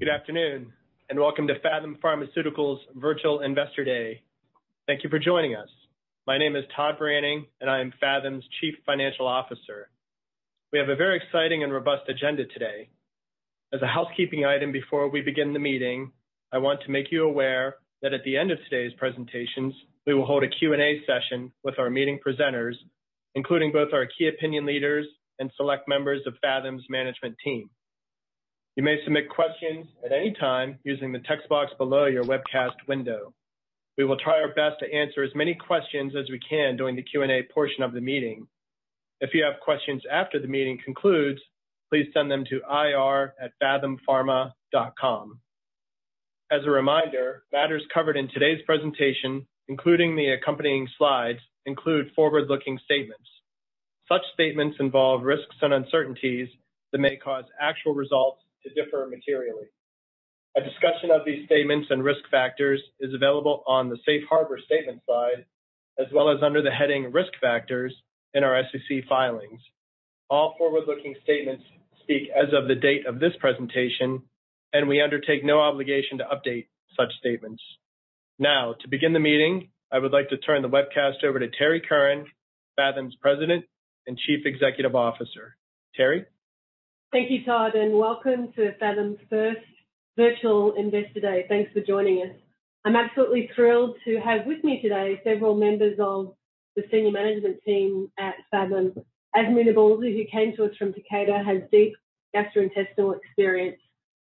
Good afternoon, welcome to Phathom Pharmaceuticals Virtual Investor Day. Thank you for joining us. My name is Todd Branning, and I am Phathom's Chief Financial Officer. We have a very exciting and robust agenda today. As a housekeeping item before we begin the meeting, I want to make you aware that at the end of today's presentations, we will hold a Q&A session with our meeting presenters, including both our key opinion leaders and select members of Phathom's management team. You may submit questions at any time using the text box below your webcast window. We will try our best to answer as many questions as we can during the Q&A portion of the meeting. If you have questions after the meeting concludes, please send them to ir@phathompharma.com. As a reminder, matters covered in today's presentation, including the accompanying slides, include forward-looking statements. Such statements involve risks and uncertainties that may cause actual results to differ materially. A discussion of these statements and risk factors is available on the Safe Harbor Statement slide, as well as under the heading Risk Factors in our SEC filings. All forward-looking statements speak as of the date of this presentation, and we undertake no obligation to update such statements. To begin the meeting, I would like to turn the webcast over to Terrie Curran, Phathom's President and Chief Executive Officer. Terrie? Thank you, Todd, and welcome to Phathom's first virtual Investor Day. Thanks for joining us. I'm absolutely thrilled to have with me today several members of the senior management team at Phathom. Azmi Nabulsi, who came to us from Takeda, has deep gastrointestinal experience.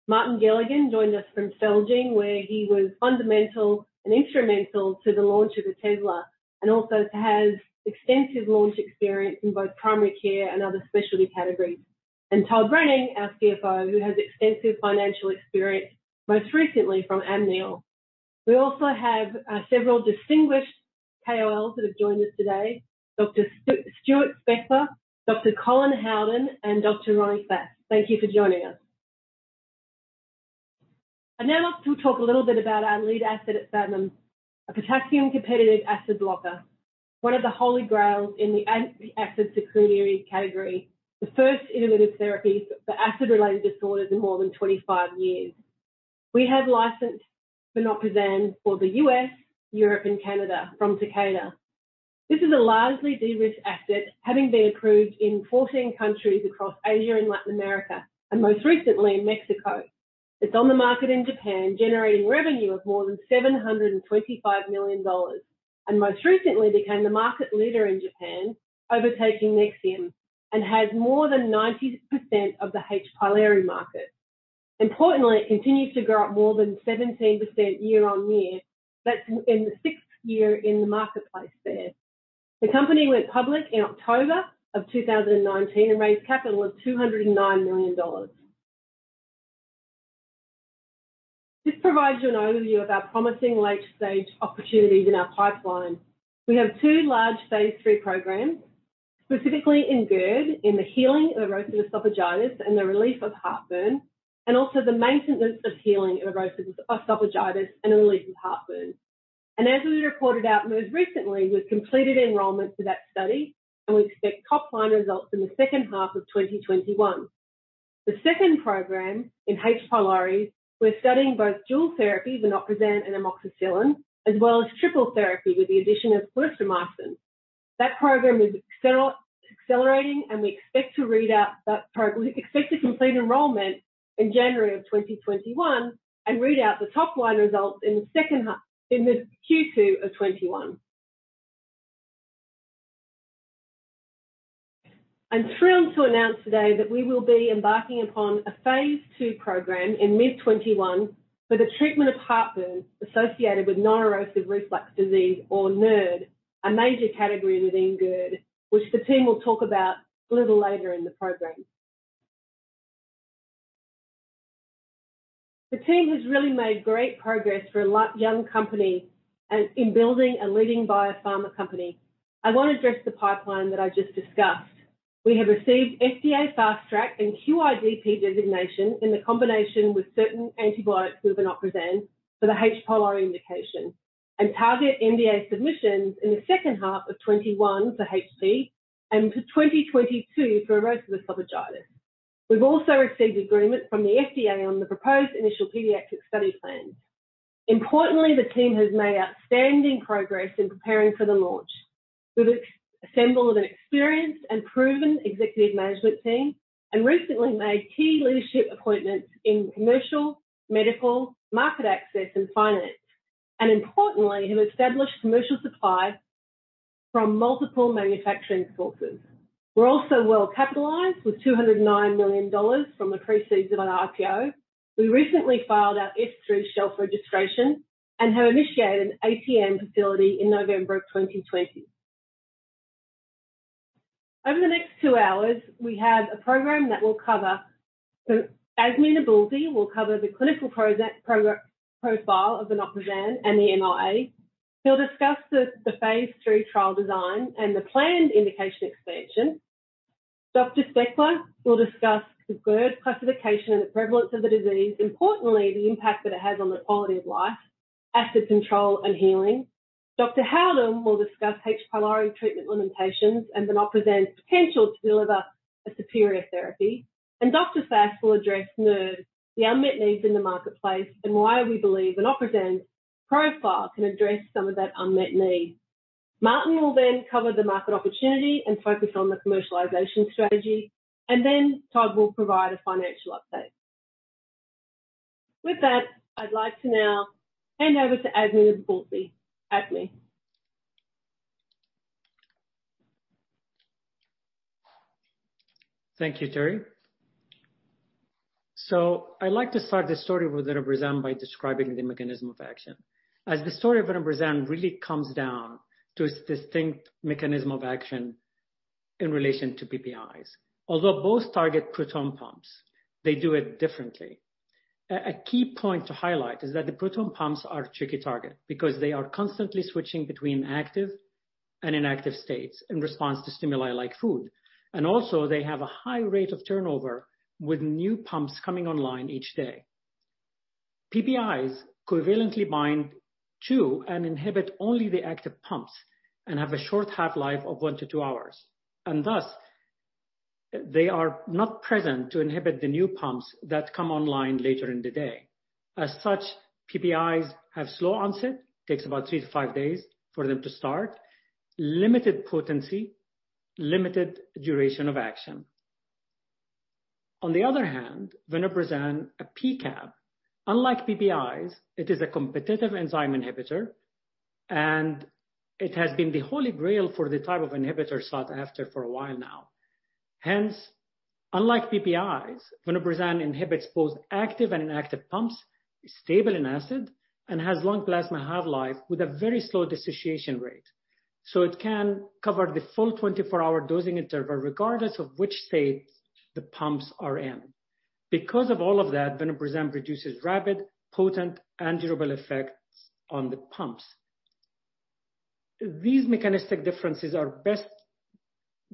Martin Gilligan joined us from Celgene, where he was fundamental and instrumental to the launch of Otezla, and also has extensive launch experience in both primary care and other specialty categories. Todd Branning, our CFO, who has extensive financial experience, most recently from Amneal. We also have several distinguished KOLs that have joined us today. Dr. Stuart Spechler, Dr. Colin Howden, and Dr. Ronnie Fass. Thank you for joining us. Now to talk a little bit about our lead asset at Phathom, a potassium-competitive acid blocker, one of the holy grails in the anti-acid secretory category, the first innovative therapy for acid-related disorders in more than 25 years. We have licensed vonoprazan for the U.S., Europe, and Canada from Takeda. This is a largely de-risked asset, having been approved in 14 countries across Asia and Latin America, and most recently in Mexico. It's on the market in Japan, generating revenue of more than $725 million, and most recently became the market leader in Japan, overtaking Nexium, and has more than 90% of the H. pylori market. Importantly, it continues to grow at more than 17% year-over-year. That's in the sixth year in the marketplace there. The company went public in October of 2019 and raised capital of $209 million. This provides you an overview of our promising late-stage opportunities in our pipeline. We have two large phase III programs, specifically in GERD, in the healing of erosive esophagitis and the relief of heartburn, and also the maintenance of healing erosive esophagitis and a relief of heartburn. As we reported out most recently, we've completed enrollment for that study, and we expect top-line results in the second half of 2021. The second program in H. pylori, we're studying both dual therapy, vonoprazan and amoxicillin, as well as triple therapy with the addition of clarithromycin. That program is accelerating, and we expect to complete enrollment in January of 2021 and read out the top-line results in Q2 of 2021. I'm thrilled to announce today that we will be embarking upon a phase II program in mid 2021 for the treatment of heartburn associated with non-erosive reflux disease or NERD, a major category within GERD, which the team will talk about a little later in the program. The team has really made great progress for a young company and in building a leading biopharma company. I want to address the pipeline that I just discussed. We have received FDA Fast Track and QIDP designation in the combination with certain antibiotics with vonoprazan for the H. pylori indication, and target NDA submissions in the second half of 2021 for HP and for 2022 for erosive esophagitis. We've also received agreement from the FDA on the proposed initial pediatric study plans. Importantly, the team has made outstanding progress in preparing for the launch. We've assembled an experienced and proven executive management team and recently made key leadership appointments in commercial, medical, market access, and finance, and importantly, have established commercial supply from multiple manufacturing sources. We're also well-capitalized with $209 million from the proceeds of our IPO. We recently filed our S-3 shelf registration and have initiated an ATM facility in November of 2020. Over the next two hours, we have a program that will cover So Azmi Nabulsi will cover the clinical profile of vonoprazan and the MOA. He'll discuss the phase III trial design and the planned indication expansion. Dr. Spechler will discuss the GERD classification and the prevalence of the disease, importantly, the impact that it has on the quality of life, acid control, and healing. Dr. Howden will discuss H. pylori treatment limitations and vonoprazan's potential to deliver a superior therapy, and Dr. Fass will address NERD, the unmet needs in the marketplace, and why we believe vonoprazan's profile can address some of that unmet need. Martin will cover the market opportunity and focus on the commercialization strategy. Todd will provide a financial update. With that, I'd like to now hand over to Azmi Nabulsi. Azmi. Thank you, Terrie. I like to start the story with vonoprazan by describing the mechanism of action, as the story of vonoprazan really comes down to its distinct mechanism of action in relation to PPIs. Although both target proton pumps, they do it differently. A key point to highlight is that the proton pumps are a tricky target because they are constantly switching between active and inactive states in response to stimuli like food. Also, they have a high rate of turnover, with new pumps coming online each day. PPIs covalently bind to and inhibit only the active pumps and have a short half-life of one to two hours, thus they are not present to inhibit the new pumps that come online later in the day. As such, PPIs have slow onset, takes about three to five days for them to start, limited potency, limited duration of action. On the other hand, vonoprazan, a PCAB, unlike PPIs, it is a competitive enzyme inhibitor, and it has been the Holy Grail for the type of inhibitor sought after for a while now. Hence, unlike PPIs, vonoprazan inhibits both active and inactive pumps, is stable in acid, and has long plasma half-life with a very slow dissociation rate. It can cover the full 24-hour dosing interval, regardless of which state the pumps are in. Because of all of that, vonoprazan produces rapid, potent, and durable effects on the pumps. These mechanistic differences are best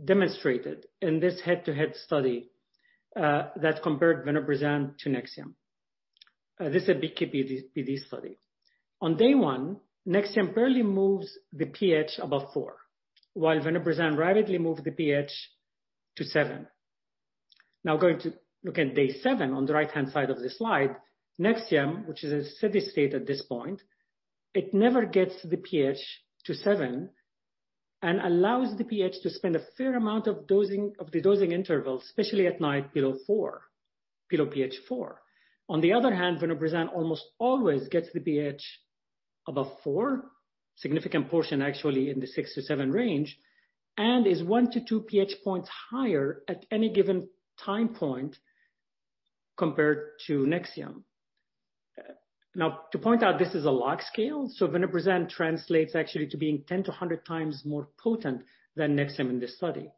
demonstrated in this head-to-head study that compared vonoprazan to Nexium. This is a PK/PD study. On day one, Nexium barely moves the pH above four, while vonoprazan rapidly moved the pH to seven. Going to look at day seven on the right-hand side of the slide. Nexium, which is a steady state at this point, it never gets the pH to seven and allows the pH to spend a fair amount of the dosing intervals, especially at night, below pH four. On the other hand, vonoprazan almost always gets the pH above four, significant portion actually in the six to seven range, and is one to two pH points higher at any given time point compared to Nexium. To point out, this is a log scale, so vonoprazan translates actually to being 10 to 100 times more potent than Nexium in this study.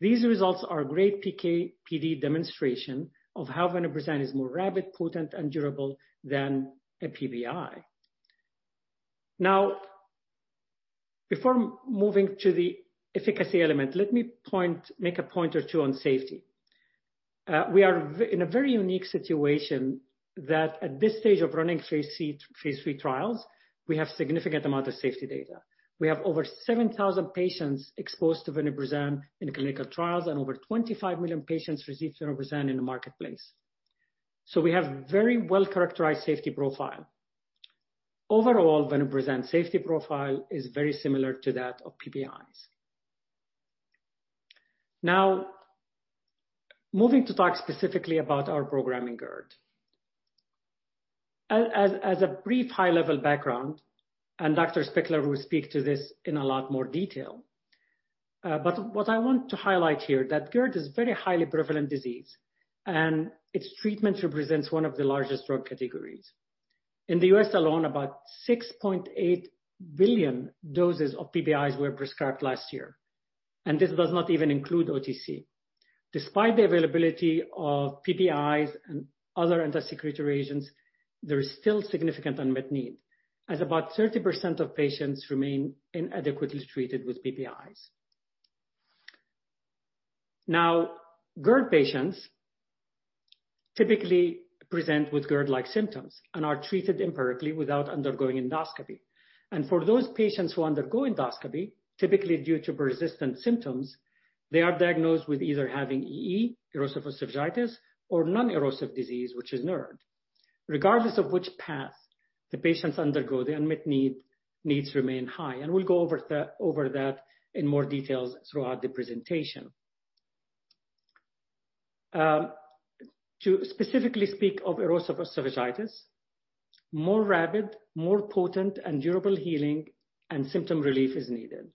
These results are a great PK/PD demonstration of how vonoprazan is more rapid, potent, and durable than a PPI. Before moving to the efficacy element, let me make a point or two on safety. We are in a very unique situation that at this stage of running phase III trials, we have significant amount of safety data. We have over 7,000 patients exposed to vonoprazan in clinical trials and over 25 million patients received vonoprazan in the marketplace. We have very well-characterized safety profile. Overall, vonoprazan safety profile is very similar to that of PPIs. Moving to talk specifically about our program in GERD. As a brief high-level background, and Dr. Spechler will speak to this in a lot more detail, but what I want to highlight here, that GERD is a very highly prevalent disease, and its treatment represents one of the largest drug categories. In the U.S. alone, about 6.8 billion doses of PPIs were prescribed last year, and this does not even include OTC. Despite the availability of PPIs and other anti-secretory agents, there is still significant unmet need, as about 30% of patients remain inadequately treated with PPIs. GERD patients typically present with GERD-like symptoms and are treated empirically without undergoing endoscopy. For those patients who undergo endoscopy, typically due to persistent symptoms, they are diagnosed with either having EE, erosive esophagitis, or non-erosive disease, which is NERD. Regardless of which path the patients undergo, the unmet needs remain high, and we'll go over that in more details throughout the presentation. To specifically speak of erosive esophagitis, more rapid, more potent, and durable healing and symptom relief is needed.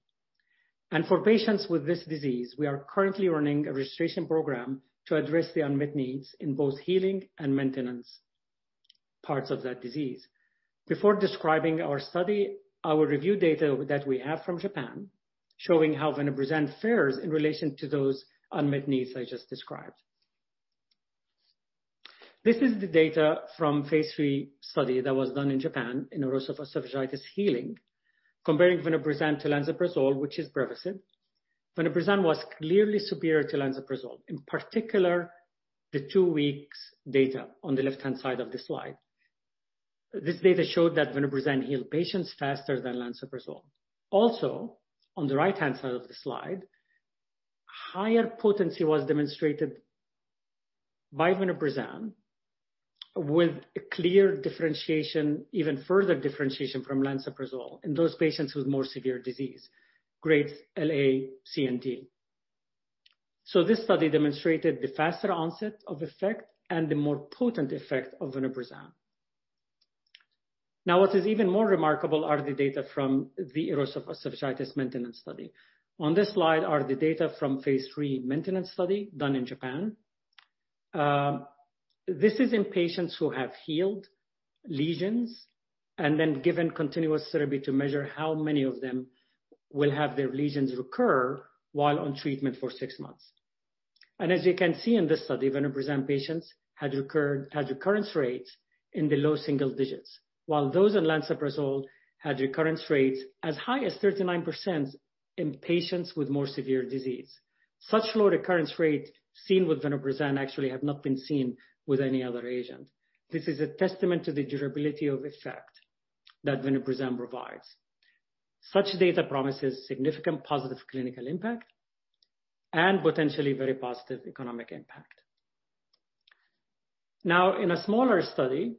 For patients with this disease, we are currently running a registration program to address the unmet needs in both healing and maintenance parts of that disease. Before describing our study, our review data that we have from Japan, showing how vonoprazan fares in relation to those unmet needs I just described. This is the data from phase III study that was done in Japan in erosive esophagitis healing, comparing vonoprazan to lansoprazole, which is PREVACID. Vonoprazan was clearly superior to lansoprazole. In particular, the two weeks data on the left-hand side of the slide. This data showed that vonoprazan healed patients faster than lansoprazole. Also, on the right-hand side of the slide, higher potency was demonstrated by vonoprazan with a clear differentiation, even further differentiation from lansoprazole in those patients with more severe disease, grades LA C and D. This study demonstrated the faster onset of effect and the more potent effect of vonoprazan. What is even more remarkable are the data from the erosive esophagitis maintenance study. On this slide are the data from phase III maintenance study done in Japan. This is in patients who have healed lesions and then given continuous therapy to measure how many of them will have their lesions recur while on treatment for six months. As you can see in this study, vonoprazan patients had recurrence rates in the low single digits, while those on lansoprazole had recurrence rates as high as 39% in patients with more severe disease. Such low recurrence rate seen with vonoprazan actually have not been seen with any other agent. This is a testament to the durability of effect that vonoprazan provides. Such data promises significant positive clinical impact and potentially very positive economic impact. In a smaller study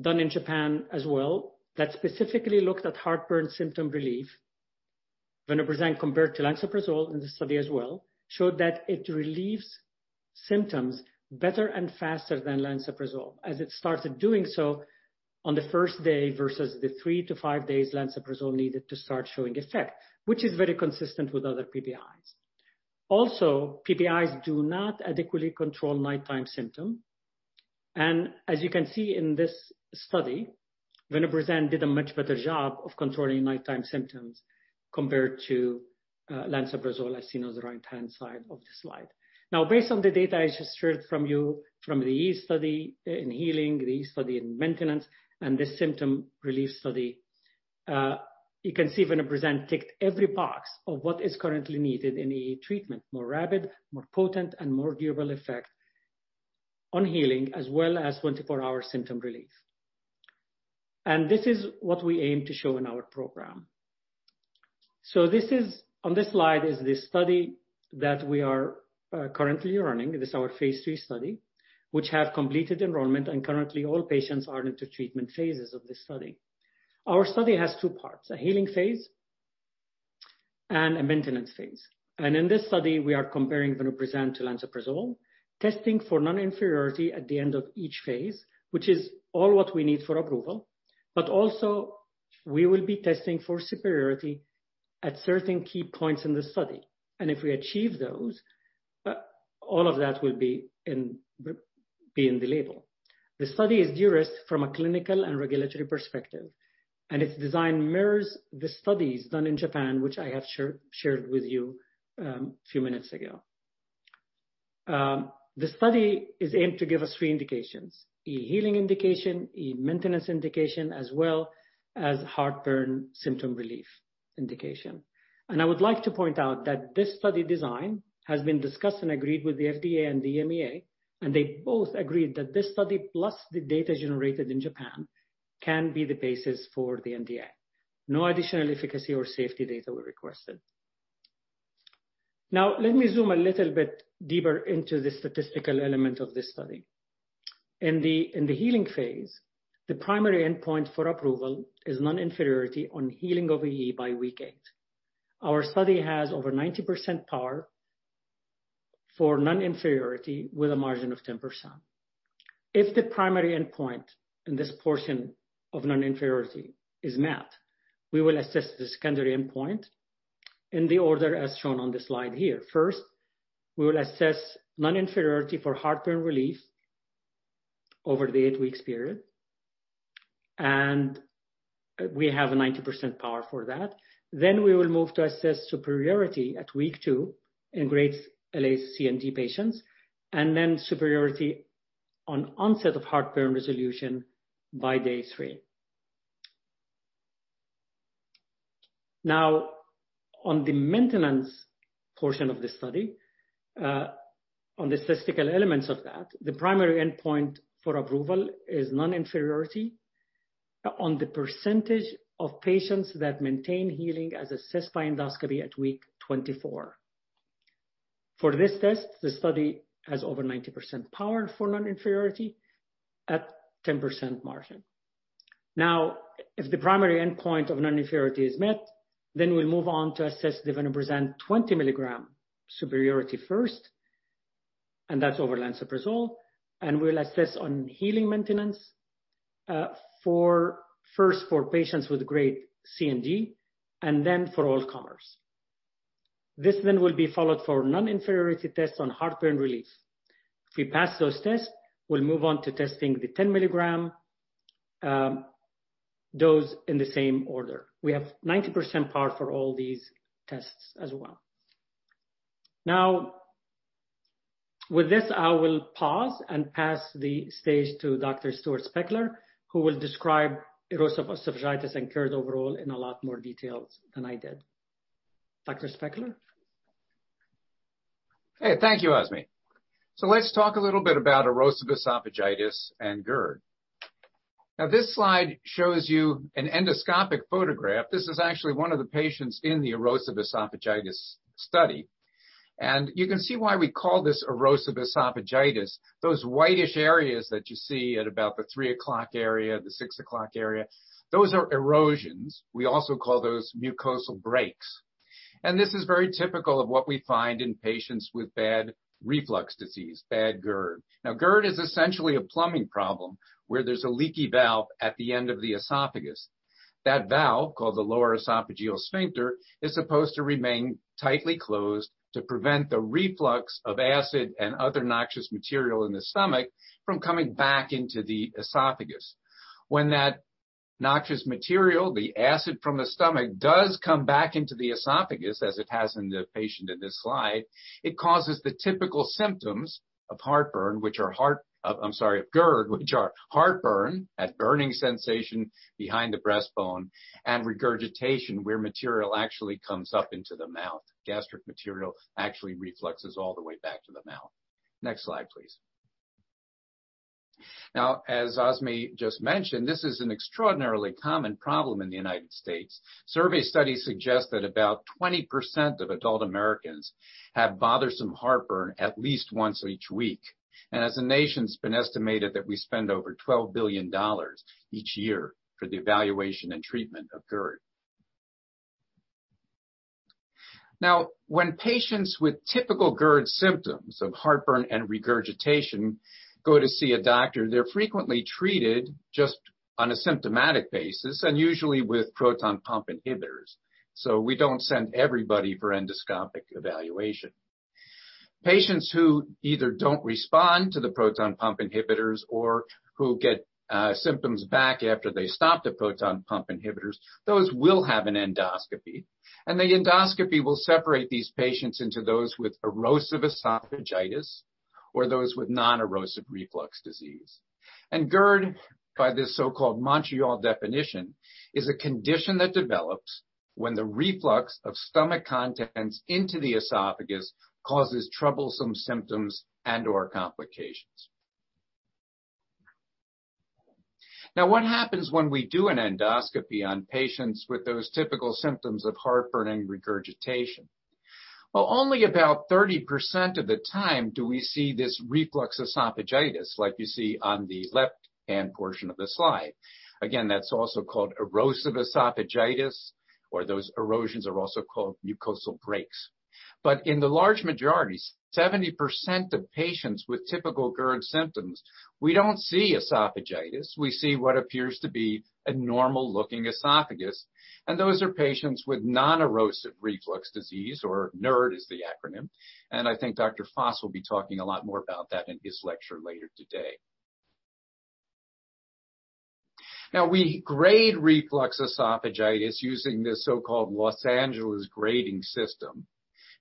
done in Japan as well, that specifically looked at heartburn symptom relief, vonoprazan compared to lansoprazole in this study as well, showed that it relieves symptoms better and faster than lansoprazole, as it started doing so on the first day versus the three to five days lansoprazole needed to start showing effect, which is very consistent with other PPIs. PPIs do not adequately control nighttime symptom. As you can see in this study, vonoprazan did a much better job of controlling nighttime symptoms compared to lansoprazole, as seen on the right-hand side of the slide. Based on the data I just shared with you from the EE study in healing, the EE study in maintenance, and the symptom relief study, you can see vonoprazan ticked every box of what is currently needed in EE treatment. More rapid, more potent, and more durable effect on healing, as well as 24-hour symptom relief. This is what we aim to show in our program. On this slide is the study that we are currently running. This is our phase III study, which have completed enrollment, and currently all patients are into treatment phases of this study. Our study has two parts, a healing phase and a maintenance phase. In this study, we are comparing vonoprazan to lansoprazole, testing for non-inferiority at the end of each phase, which is all what we need for approval. Also, we will be testing for superiority at certain key points in the study. If we achieve those, all of that will be in the label. The study is addressed from a clinical and regulatory perspective. Its design mirrors the studies done in Japan, which I have shared with you a few minutes ago. The study is aimed to give us three indications, EE healing indication, EE maintenance indication, as well as heartburn symptom relief indication. I would like to point out that this study design has been discussed and agreed with the FDA and the EMA. They both agreed that this study, plus the data generated in Japan, can be the basis for the NDA. No additional efficacy or safety data were requested. Let me zoom a little bit deeper into the statistical element of this study. In the healing phase, the primary endpoint for approval is non-inferiority on healing of EE by week eight. Our study has over 90% power for non-inferiority with a margin of 10%. If the primary endpoint in this portion of non-inferiority is met, we will assess the secondary endpoint in the order as shown on the slide here. First, we will assess non-inferiority for heartburn relief over the eight weeks period. We have a 90% power for that. We will move to assess superiority at week two in grades L.A., C, and D patients. Then superiority on onset of heartburn resolution by day three. On the maintenance portion of the study, on the statistical elements of that, the primary endpoint for approval is non-inferiority on the percentage of patients that maintain healing as assessed by endoscopy at week 24. For this test, the study has over 90% power for non-inferiority at 10% margin. If the primary endpoint of non-inferiority is met, then we'll move on to assess the vonoprazan 20 mg superiority first, and that's over lansoprazole, and we'll assess on healing maintenance first for patients with grade C and D, and then for all comers. This will be followed for non-inferiority tests on heartburn relief. If we pass those tests, we'll move on to testing the 10 mg dose in the same order. We have 90% power for all these tests as well. With this, I will pause and pass the stage to Dr. Stuart Spechler, who will describe erosive esophagitis and GERD overall in a lot more detail than I did. Dr. Spechler? Thank you, Azmi. Let's talk a little bit about erosive esophagitis and GERD. This slide shows you an endoscopic photograph. This is actually one of the patients in the erosive esophagitis study, and you can see why we call this erosive esophagitis. Those whitish areas that you see at about the three o'clock area, the six o'clock area, those are erosions. We also call those mucosal breaks. This is very typical of what we find in patients with bad reflux disease, bad GERD. GERD is essentially a plumbing problem where there's a leaky valve at the end of the esophagus. That valve, called the lower esophageal sphincter, is supposed to remain tightly closed to prevent the reflux of acid and other noxious material in the stomach from coming back into the esophagus. When that noxious material, the acid from the stomach, does come back into the esophagus, as it has in the patient in this slide, it causes the typical symptoms of GERD, which are heartburn, that burning sensation behind the breastbone, and regurgitation, where material actually comes up into the mouth. Gastric material actually refluxes all the way back to the mouth. Next slide, please. As Azmi just mentioned, this is an extraordinarily common problem in the United States. Survey studies suggest that about 20% of adult Americans have bothersome heartburn at least once each week. As a nation, it's been estimated that we spend over $12 billion each year for the evaluation and treatment of GERD. Now, when patients with typical GERD symptoms of heartburn and regurgitation go to see a doctor, they're frequently treated just on a symptomatic basis and usually with proton pump inhibitors. We don't send everybody for endoscopic evaluation. Patients who either don't respond to the proton pump inhibitors or who get symptoms back after they stop the proton pump inhibitors, those will have an endoscopy, and the endoscopy will separate these patients into those with erosive esophagitis or those with non-erosive reflux disease. GERD, by this so-called Montreal definition, is a condition that develops when the reflux of stomach contents into the esophagus causes troublesome symptoms and/or complications. Now, what happens when we do an endoscopy on patients with those typical symptoms of heartburn and regurgitation? Well, only about 30% of the time do we see this reflux esophagitis like you see on the left-hand portion of the slide. That's also called erosive esophagitis, or those erosions are also called mucosal breaks. In the large majority, 70% of patients with typical GERD symptoms, we don't see esophagitis. We see what appears to be a normal-looking esophagus, those are patients with non-erosive reflux disease, or NERD is the acronym. I think Dr. Fass will be talking a lot more about that in his lecture later today. We grade reflux esophagitis using this so-called Los Angeles grading system,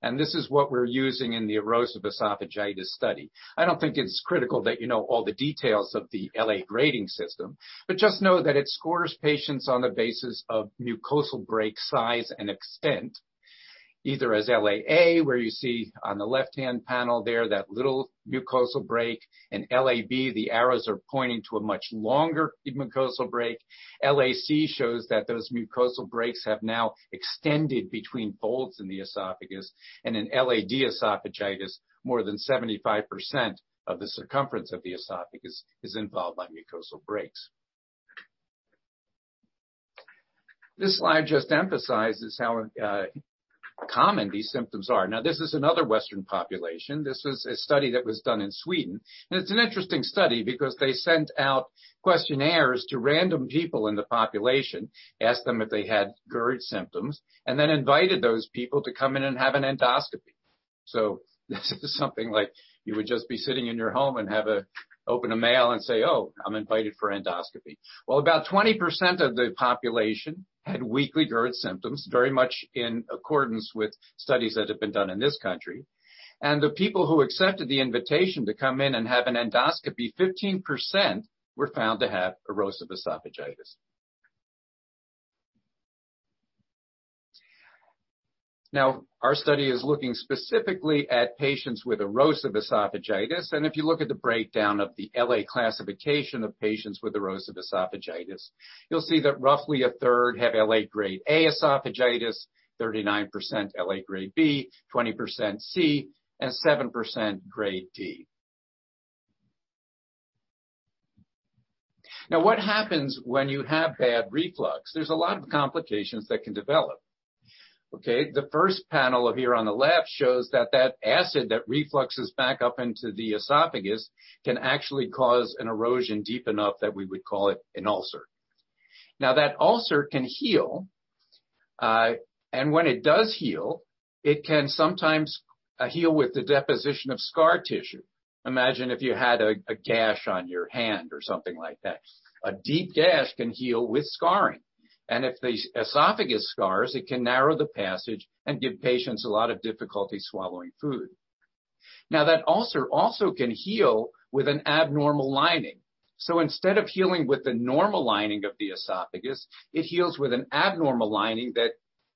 and this is what we're using in the erosive esophagitis study. I don't think it's critical that you know all the details of the LA grading system, but just know that it scores patients on the basis of mucosal break size and extent, either as LAA, where you see on the left-hand panel there that little mucosal break, and LAB, the arrows are pointing to a much longer mucosal break. LAC shows that those mucosal breaks have now extended between folds in the esophagus. In LAD esophagitis, more than 75% of the circumference of the esophagus is involved by mucosal breaks. This slide just emphasizes how common these symptoms are. This is another Western population. This is a study that was done in Sweden. It's an interesting study because they sent out questionnaires to random people in the population, asked them if they had GERD symptoms, and then invited those people to come in and have an endoscopy. This is something like you would just be sitting in your home and open a mail and say, "Oh, I'm invited for endoscopy." About 20% of the population had weekly GERD symptoms, very much in accordance with studies that have been done in this country. The people who accepted the invitation to come in and have an endoscopy, 15% were found to have erosive esophagitis. Our study is looking specifically at patients with erosive esophagitis, and if you look at the breakdown of the LA classification of patients with erosive esophagitis, you'll see that roughly a third have LA grade A esophagitis, 39% LA grade B, 20% C, and 7% grade D. What happens when you have bad reflux? There's a lot of complications that can develop. Okay? The first panel here on the left shows that that acid that refluxes back up into the esophagus can actually cause an erosion deep enough that we would call it an ulcer. That ulcer can heal, and when it does heal, it can sometimes heal with the deposition of scar tissue. Imagine if you had a gash on your hand or something like that. A deep gash can heal with scarring. If the esophagus scars, it can narrow the passage and give patients a lot of difficulty swallowing food. That ulcer also can heal with an abnormal lining. Instead of healing with the normal lining of the esophagus, it heals with an abnormal lining that,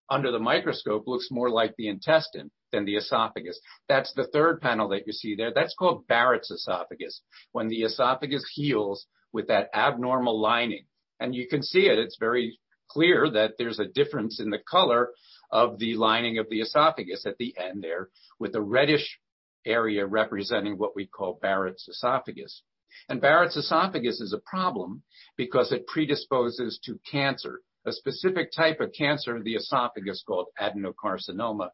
under the microscope, looks more like the intestine than the esophagus. That's the third panel that you see there. That's called Barrett's esophagus. When the esophagus heals with that abnormal lining. You can see it's very clear that there's a difference in the color of the lining of the esophagus at the end there, with a reddish area representing what we call Barrett's esophagus. Barrett's esophagus is a problem because it predisposes to cancer, a specific type of cancer of the esophagus called adenocarcinoma,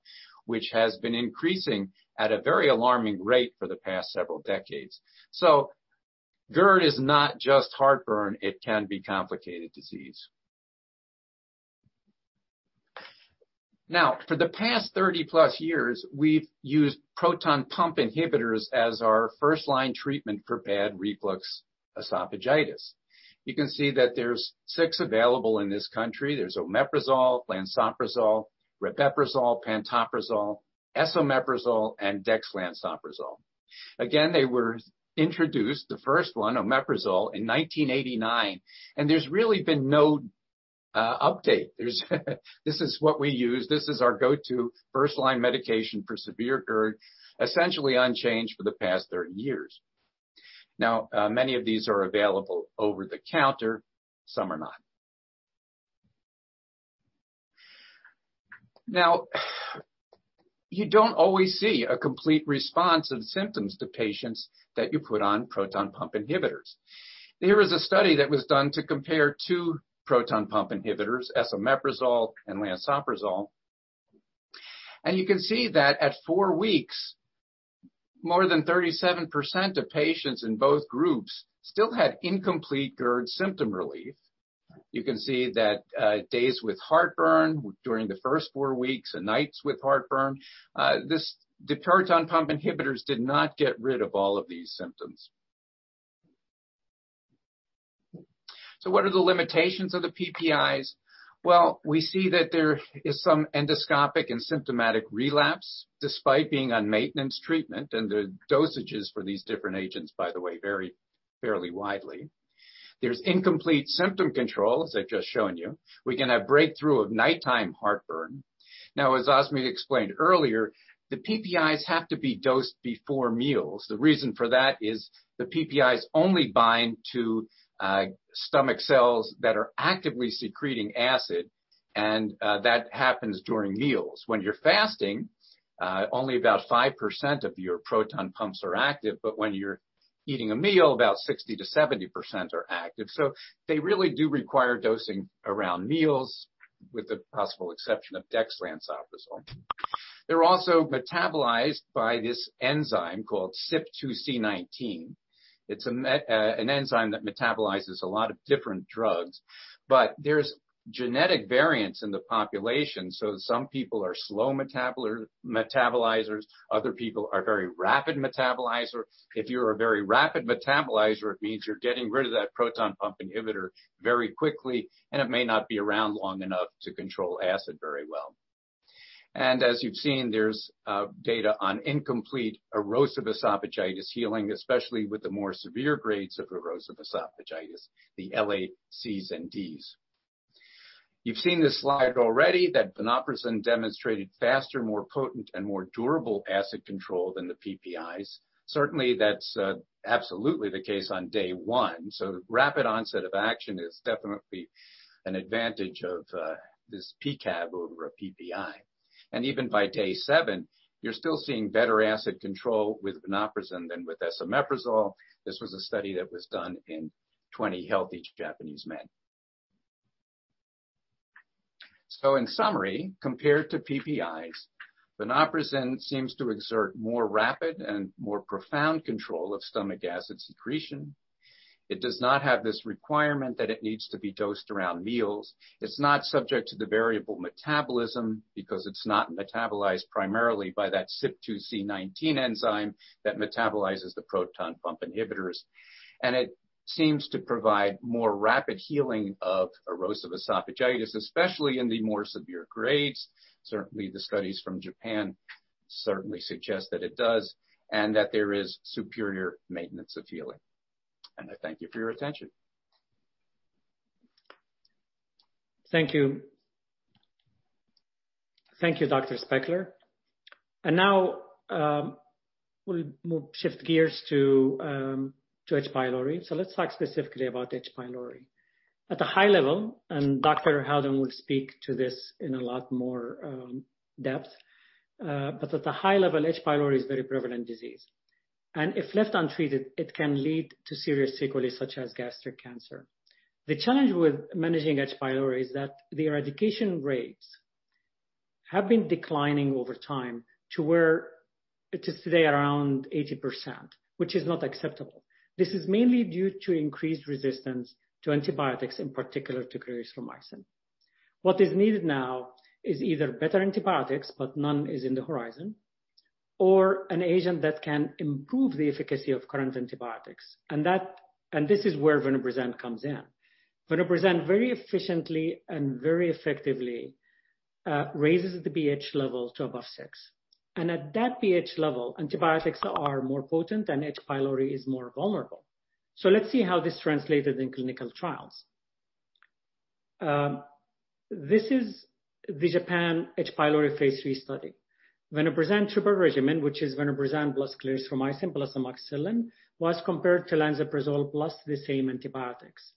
which has been increasing at a very alarming rate for the past several decades. GERD is not just heartburn, it can be complicated disease. Now, for the past 30+ years, we've used proton pump inhibitors as our first-line treatment for bad reflux esophagitis. You can see that there's six available in this country. There's omeprazole, lansoprazole, rabeprazole, pantoprazole, esomeprazole, and dexlansoprazole. Again, they were introduced, the first one, omeprazole, in 1989, and there's really been no update. This is what we use. This is our go-to first-line medication for severe GERD, essentially unchanged for the past 30 years. Many of these are available over the counter, some are not. You don't always see a complete response in symptoms to patients that you put on proton pump inhibitors. Here is a study that was done to compare two proton pump inhibitors, esomeprazole and lansoprazole. You can see that at four weeks, more than 37% of patients in both groups still had incomplete GERD symptom relief. You can see that days with heartburn during the first four weeks and nights with heartburn, the proton pump inhibitors did not get rid of all of these symptoms. What are the limitations of the PPIs? Well, we see that there is some endoscopic and symptomatic relapse despite being on maintenance treatment. The dosages for these different agents, by the way, vary fairly widely. There's incomplete symptom control, as I've just shown you. We can have breakthrough of nighttime heartburn. As Azmi explained earlier, the PPIs have to be dosed before meals. The reason for that is the PPIs only bind to stomach cells that are actively secreting acid, and that happens during meals. When you're fasting, only about 5% of your proton pumps are active, but when you're eating a meal, about 60%-70% are active. They really do require dosing around meals, with the possible exception of dexlansoprazole. They're also metabolized by this enzyme called CYP2C19. It's an enzyme that metabolizes a lot of different drugs. There's genetic variance in the population, so some people are slow metabolizers, other people are very rapid metabolizers. If you're a very rapid metabolizer, it means you're getting rid of that proton pump inhibitor very quickly, and it may not be around long enough to control acid very well. As you've seen, there's data on incomplete erosive esophagitis healing, especially with the more severe grades of erosive esophagitis, the LACs and Ds. You've seen this slide already, that vonoprazan demonstrated faster, more potent, and more durable acid control than the PPIs. Certainly, that's absolutely the case on day one. The rapid onset of action is definitely an advantage of this PCAB over a PPI. Even by day seven, you're still seeing better acid control with vonoprazan than with esomeprazole. This was a study that was done in 20 healthy Japanese men. In summary, compared to PPIs, vonoprazan seems to exert more rapid and more profound control of stomach acid secretion. It does not have this requirement that it needs to be dosed around meals. It's not subject to the variable metabolism because it's not metabolized primarily by that CYP2C19 enzyme that metabolizes the proton pump inhibitors. It seems to provide more rapid healing of erosive esophagitis, especially in the more severe grades. Certainly, the studies from Japan certainly suggest that it does, and that there is superior maintenance of healing. I thank you for your attention. Thank you. Thank you, Dr. Spechler. Now, we'll shift gears to H. pylori. Let's talk specifically about H. pylori. At the high level, Dr. Howden will speak to this in a lot more depth. At the high level, H. pylori is a very prevalent disease. If left untreated, it can lead to serious sequelae such as gastric cancer. The challenge with managing H. pylori is that the eradication rates have been declining over time to where it is today around 80%, which is not acceptable. This is mainly due to increased resistance to antibiotics, in particular to clarithromycin. What is needed now is either better antibiotics, but none is in the horizon Or an agent that can improve the efficacy of current antibiotics. This is where vonoprazan comes in. Vonoprazan very efficiently and very effectively raises the pH level to above six. At that pH level, antibiotics are more potent and H. pylori is more vulnerable. Let's see how this translated in clinical trials. This is the Japan H. pylori phase III study. vonoprazan triple regimen, which is vonoprazan plus clarithromycin plus amoxicillin, was compared to lansoprazole plus the same antibiotics.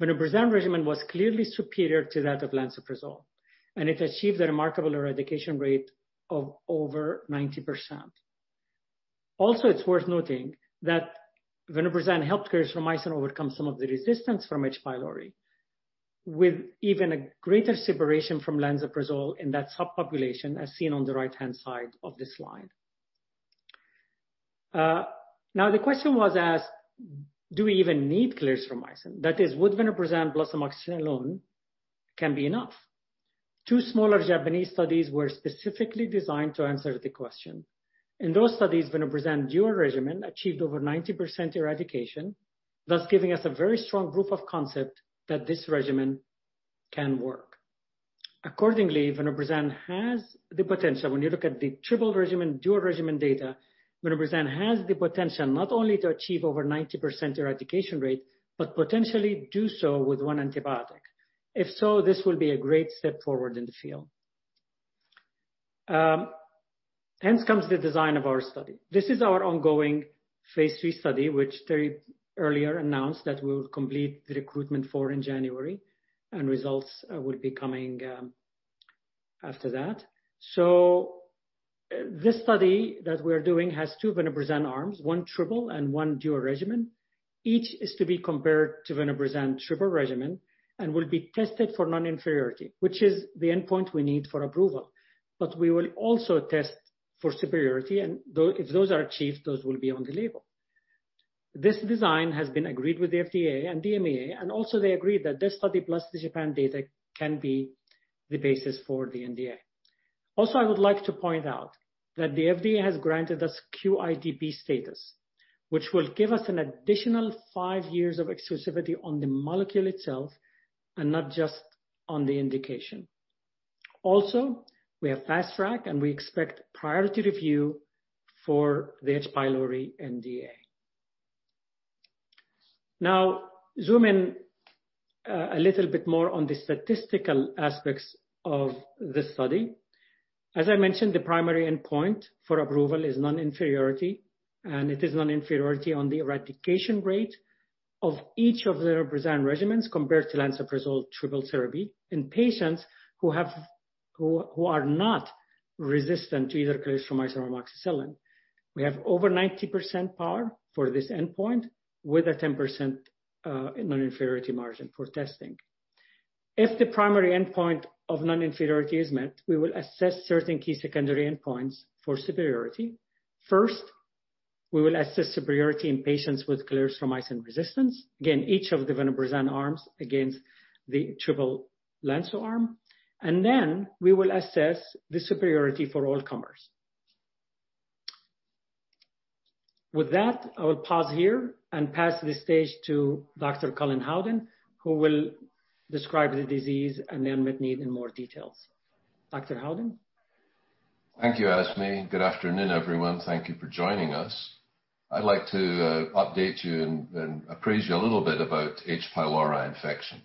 vonoprazan regimen was clearly superior to that of lansoprazole, it achieved a remarkable eradication rate of over 90%. It's worth noting that vonoprazan helped clarithromycin overcome some of the resistance from H. pylori, with even a greater separation from lansoprazole in that subpopulation, as seen on the right-hand side of the slide. The question was asked, do we even need clarithromycin? That is, would vonoprazan plus amoxicillin alone can be enough? Two smaller Japanese studies were specifically designed to answer the question. In those studies, vonoprazan dual regimen achieved over 90% eradication, thus giving us a very strong proof of concept that this regimen can work. Accordingly, vonoprazan has the potential, when you look at the triple regimen, dual regimen data, vonoprazan has the potential not only to achieve over 90% eradication rate, but potentially do so with one antibiotic. If so, this will be a great step forward in the field. Hence comes the design of our study. This is our ongoing phase III study, which Terrie earlier announced that we will complete the recruitment for in January, and results will be coming after that. This study that we're doing has two vonoprazan arms, one triple and one dual regimen. Each is to be compared to vonoprazan triple regimen and will be tested for non-inferiority, which is the endpoint we need for approval. We will also test for superiority, and if those are achieved, those will be on the label. This design has been agreed with the FDA and EMA, and they agreed that this study plus the Japan data can be the basis for the NDA. I would like to point out that the FDA has granted us QIDP status, which will give us an additional five years of exclusivity on the molecule itself and not just on the indication. We have Fast Track, and we expect priority review for the H. pylori NDA. Zoom in a little bit more on the statistical aspects of this study. As I mentioned, the primary endpoint for approval is non-inferiority, and it is non-inferiority on the eradication rate of each of the vonoprazan regimens compared to lansoprazole triple therapy in patients who are not resistant to either clarithromycin or amoxicillin. We have over 90% power for this endpoint with a 10% non-inferiority margin for testing. If the primary endpoint of non-inferiority is met, we will assess certain key secondary endpoints for superiority. First, we will assess superiority in patients with clarithromycin resistance. Again, each of the vonoprazan arms against the triple lansoprazole arm, and then we will assess the superiority for all comers. With that, I will pause here and pass the stage to Dr. Colin Howden, who will describe the disease and unmet need in more details. Dr. Howden? Thank you, Azmi. Good afternoon, everyone. Thank you for joining us. I'd like to update you and appraise you a little bit about H. pylori infection.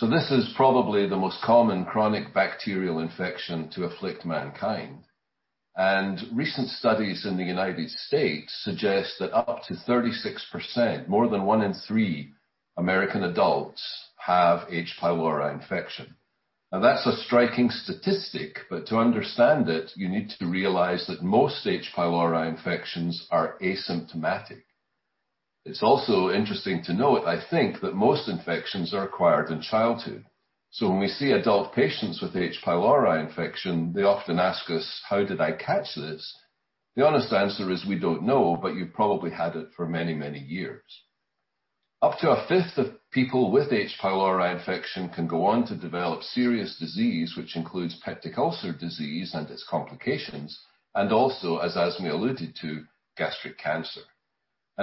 This is probably the most common chronic bacterial infection to afflict mankind, and recent studies in the United States suggest that up to 36%, more than one in three American adults have H. pylori infection. That's a striking statistic, but to understand it, you need to realize that most H. pylori infections are asymptomatic. It's also interesting to note, I think, that most infections are acquired in childhood. When we see adult patients with H. pylori infection, they often ask us, "How did I catch this?" The honest answer is we don't know, but you've probably had it for many, many years. Up to a fifth of people with H. pylori infection can go on to develop serious disease, which includes peptic ulcer disease and its complications, and also, as Azmi alluded to, gastric cancer.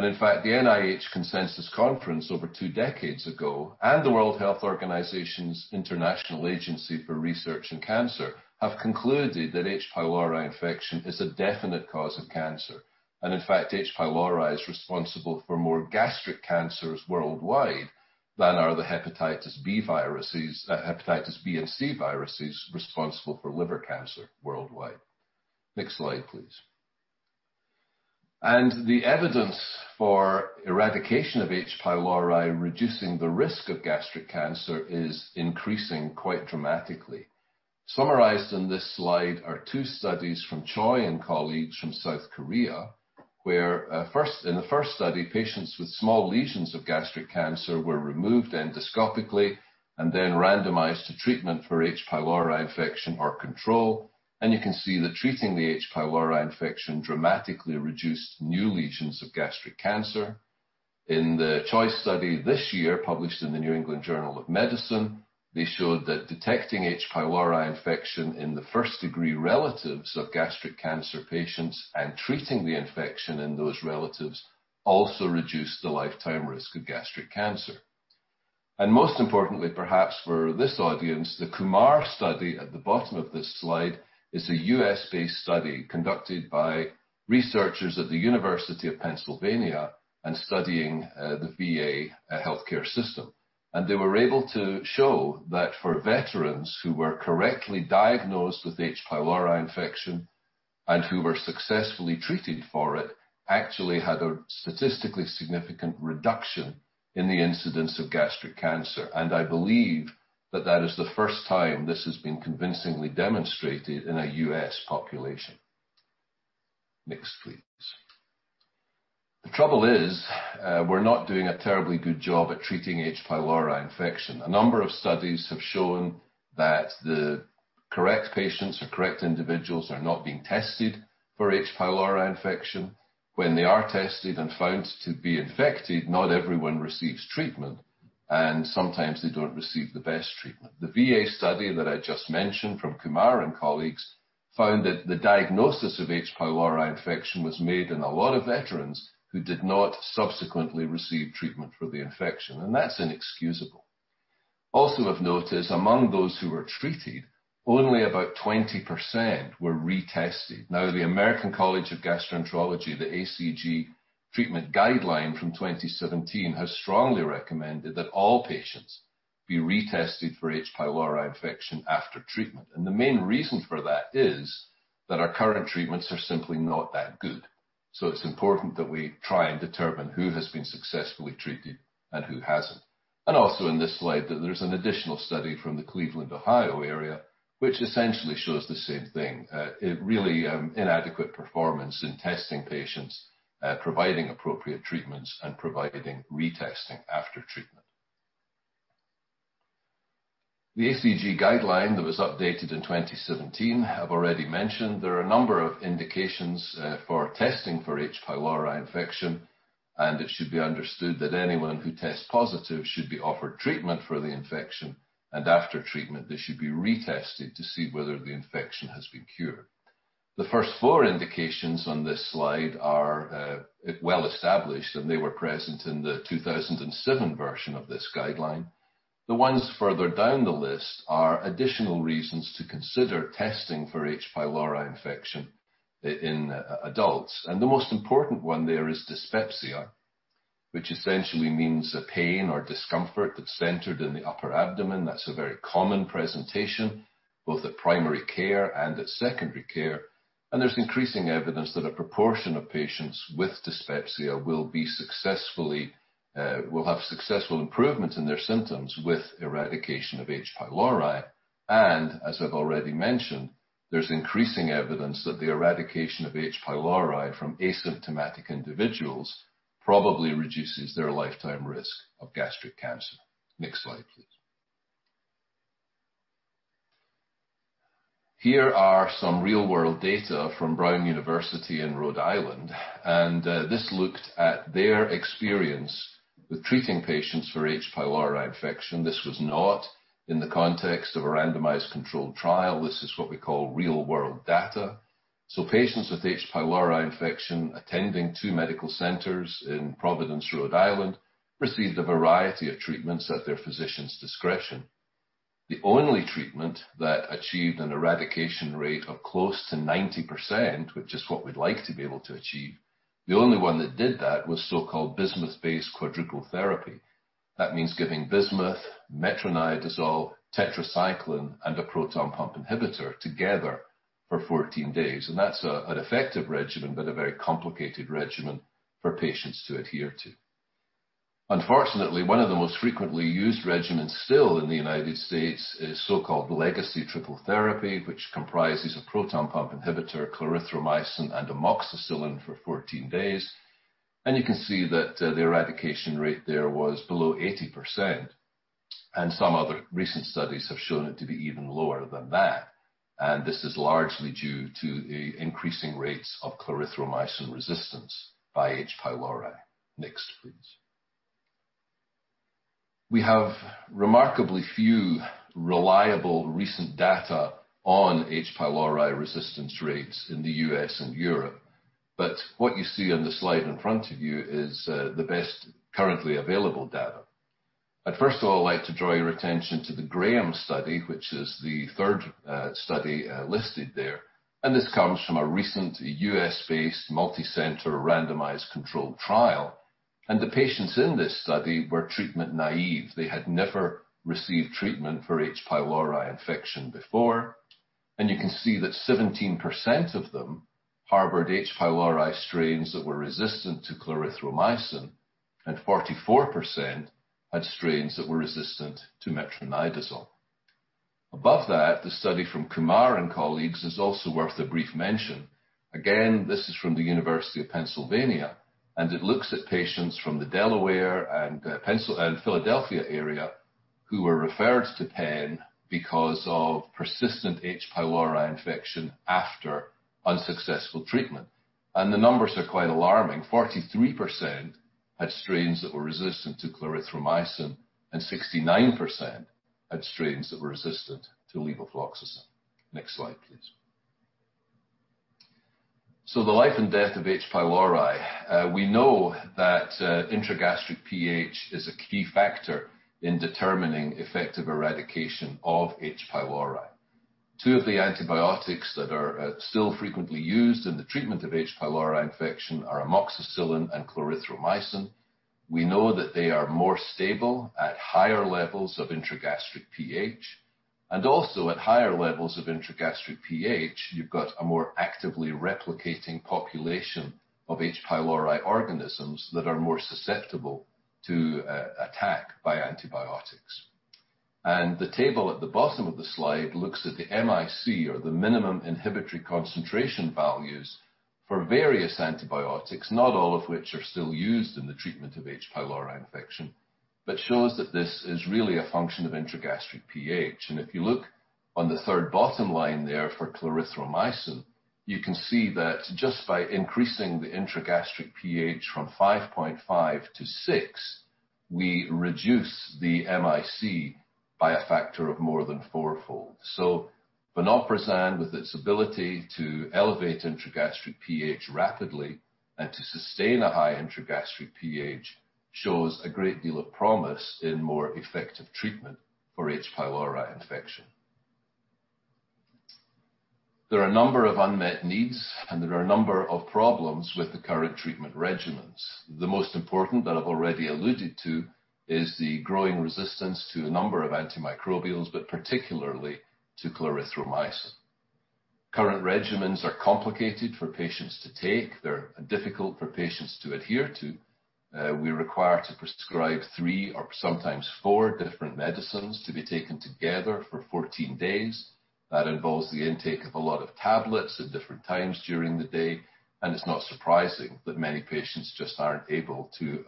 In fact, the NIH Consensus Conference over two decades ago and the World Health Organization's International Agency for Research on Cancer have concluded that H. pylori infection is a definite cause of cancer. In fact, H. pylori is responsible for more gastric cancers worldwide than are the hepatitis B and C viruses responsible for liver cancer worldwide. Next slide, please. The evidence for eradication of H. pylori reducing the risk of gastric cancer is increasing quite dramatically. Summarized in this slide are two studies from Choi and colleagues from South Korea, where in the first study, patients with small lesions of gastric cancer were removed endoscopically and then randomized to treatment for H. pylori infection or control. You can see that treating the H. pylori infection dramatically reduced new lesions of gastric cancer. In the Choi's study this year, published in The New England Journal of Medicine, they showed that detecting H. pylori infection in the first-degree relatives of gastric cancer patients and treating the infection in those relatives also reduced the lifetime risk of gastric cancer. Most importantly perhaps for this audience, the Kumar study at the bottom of this slide is a U.S.-based study conducted by researchers at the University of Pennsylvania and studying the VA healthcare system. They were able to show that for veterans who were correctly diagnosed with H. pylori infection and who were successfully treated for it, actually had a statistically significant reduction in the incidence of gastric cancer. I believe that that is the first time this has been convincingly demonstrated in a U.S. population. Next, please. The trouble is, we're not doing a terribly good job at treating H. pylori infection. A number of studies have shown that the correct patients or correct individuals are not being tested for H. pylori infection. When they are tested and found to be infected, not everyone receives treatment, and sometimes they don't receive the best treatment. The VA study that I just mentioned from Kumar and colleagues found that the diagnosis of H. pylori infection was made in a lot of veterans who did not subsequently receive treatment for the infection, and that's inexcusable. Also of note is, among those who were treated, only about 20% were retested. The American College of Gastroenterology, the ACG treatment guideline from 2017, has strongly recommended that all patients be retested for H. pylori infection after treatment. The main reason for that is that our current treatments are simply not that good. It's important that we try and determine who has been successfully treated and who hasn't. Also in this slide, there's an additional study from the Cleveland, Ohio area, which essentially shows the same thing. A really inadequate performance in testing patients, providing appropriate treatments, and providing retesting after treatment. The ACG guideline that was updated in 2017, I've already mentioned, there are a number of indications for testing for H. pylori infection, and it should be understood that anyone who tests positive should be offered treatment for the infection, and after treatment, they should be retested to see whether the infection has been cured. The first four indications on this slide are well-established, and they were present in the 2007 version of this guideline. The ones further down the list are additional reasons to consider testing for H. pylori infection in adults. The most important one there is dyspepsia, which essentially means a pain or discomfort that's centered in the upper abdomen. That's a very common presentation, both at primary care and at secondary care. There's increasing evidence that a proportion of patients with dyspepsia will have successful improvements in their symptoms with eradication of H. pylori. As I've already mentioned, there's increasing evidence that the eradication of H. pylori from asymptomatic individuals probably reduces their lifetime risk of gastric cancer. Next slide, please. Here are some real-world data from Brown University in Rhode Island, and this looked at their experience with treating patients for H. pylori infection. This was not in the context of a randomized controlled trial. This is what we call real-world data. Patients with H. pylori infection attending two medical centers in Providence, Rhode Island, received a variety of treatments at their physician's discretion. The only treatment that achieved an eradication rate of close to 90%, which is what we'd like to be able to achieve, the only one that did that was so-called bismuth-based quadruple therapy. That means giving bismuth, metronidazole, tetracycline, and a proton pump inhibitor together for 14 days. That's an effective regimen, but a very complicated regimen for patients to adhere to. Unfortunately, one of the most frequently used regimens still in the United States is so-called legacy triple therapy, which comprises a proton pump inhibitor, clarithromycin, and amoxicillin for 14 days. You can see that the eradication rate there was below 80%, and some other recent studies have shown it to be even lower than that. This is largely due to the increasing rates of clarithromycin resistance by H. pylori. Next, please. We have remarkably few reliable recent data on H. pylori resistance rates in the U.S. and Europe. What you see on the slide in front of you is the best currently available data. I'd first of all like to draw your attention to the Graham study, which is the third study listed there. This comes from a recent U.S.-based multicenter randomized controlled trial. The patients in this study were treatment naive. They had never received treatment for H. pylori infection before. You can see that 17% of them harbored H. pylori strains that were resistant to clarithromycin, and 44% had strains that were resistant to metronidazole. Above that, the study from Kumar and colleagues is also worth a brief mention. This is from the University of Pennsylvania, it looks at patients from the Delaware and Philadelphia area who were referred to Penn because of persistent H. pylori infection after unsuccessful treatment. The numbers are quite alarming. 43% had strains that were resistant to clarithromycin, and 69% had strains that were resistant to levofloxacin. Next slide, please. The life and death of H. pylori. We know that intragastric pH is a key factor in determining effective eradication of H. pylori. Two of the antibiotics that are still frequently used in the treatment of H. pylori infection are amoxicillin and clarithromycin. We know that they are more stable at higher levels of intragastric pH, and also at higher levels of intragastric pH, you've got a more actively replicating population of H. pylori organisms that are more susceptible to attack by antibiotics. The table at the bottom of the slide looks at the MIC or the minimum inhibitory concentration values for various antibiotics, not all of which are still used in the treatment of H. pylori infection, but shows that this is really a function of intragastric pH. If you look on the third bottom line there for clarithromycin, you can see that just by increasing the intragastric pH from 5.5 to 6, we reduce the MIC by a factor of more than four-fold. Vonoprazan, with its ability to elevate intragastric pH rapidly and to sustain a high intragastric pH, shows a great deal of promise in more effective treatment for H. pylori infection. There are a number of unmet needs, and there are a number of problems with the current treatment regimens. The most important that I've already alluded to is the growing resistance to a number of antimicrobials, but particularly to clarithromycin. Current regimens are complicated for patients to take. They're difficult for patients to adhere to. We require to prescribe three or sometimes four different medicines to be taken together for 14 days. That involves the intake of a lot of tablets at different times during the day, and it's not surprising that many patients just aren't able to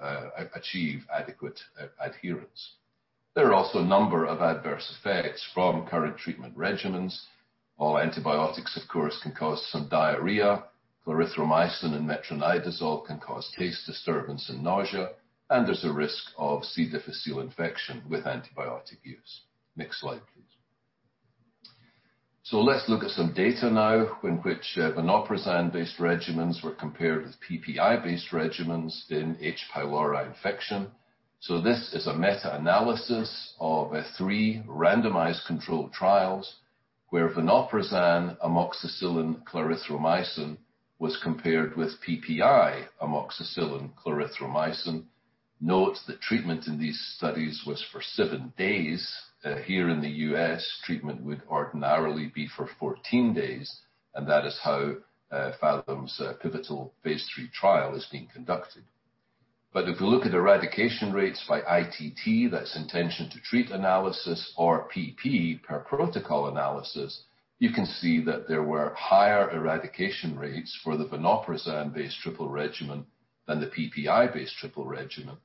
achieve adequate adherence. There are also a number of adverse effects from current treatment regimens. All antibiotics, of course, can cause some diarrhea. Clarithromycin and metronidazole can cause taste disturbance and nausea, and there's a risk of C. difficile infection with antibiotic use. Next slide, please. Let's look at some data now in which vonoprazan based regimens were compared with PPI based regimens in H. pylori infection. This is a meta-analysis of three randomized controlled trials where vonoprazan, amoxicillin, clarithromycin was compared with PPI amoxicillin, clarithromycin. Note the treatment in these studies was for seven days. Here in the U.S., treatment would ordinarily be for 14 days, and that is how Phathom's pivotal phase III trial is being conducted. If you look at eradication rates by ITT, that's intention-to-treat analysis or PP, per protocol analysis, you can see that there were higher eradication rates for the vonoprazan based triple regimen than the PPI based triple regimen.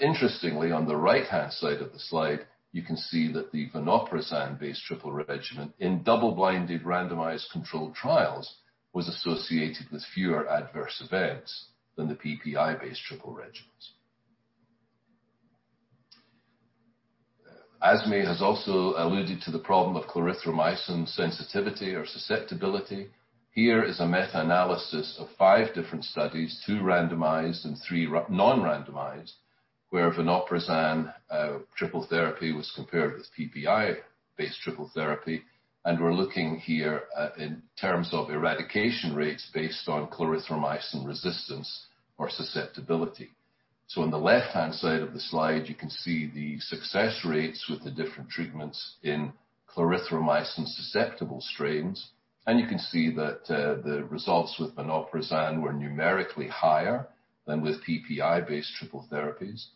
Interestingly, on the right-hand side of the slide, you can see that the vonoprazan based triple regimen in double-blinded randomized controlled trials was associated with fewer adverse events than the PPI based triple regimens. Azmi has also alluded to the problem of clarithromycin sensitivity or susceptibility. Here is a meta-analysis of five different studies, two randomized and three non-randomized, where vonoprazan triple therapy was compared with PPI-based triple therapy. We're looking here in terms of eradication rates based on clarithromycin resistance or susceptibility. On the left-hand side of the slide, you can see the success rates with the different treatments in clarithromycin susceptible strains, and you can see that the results with vonoprazan were numerically higher than with PPI-based triple therapies.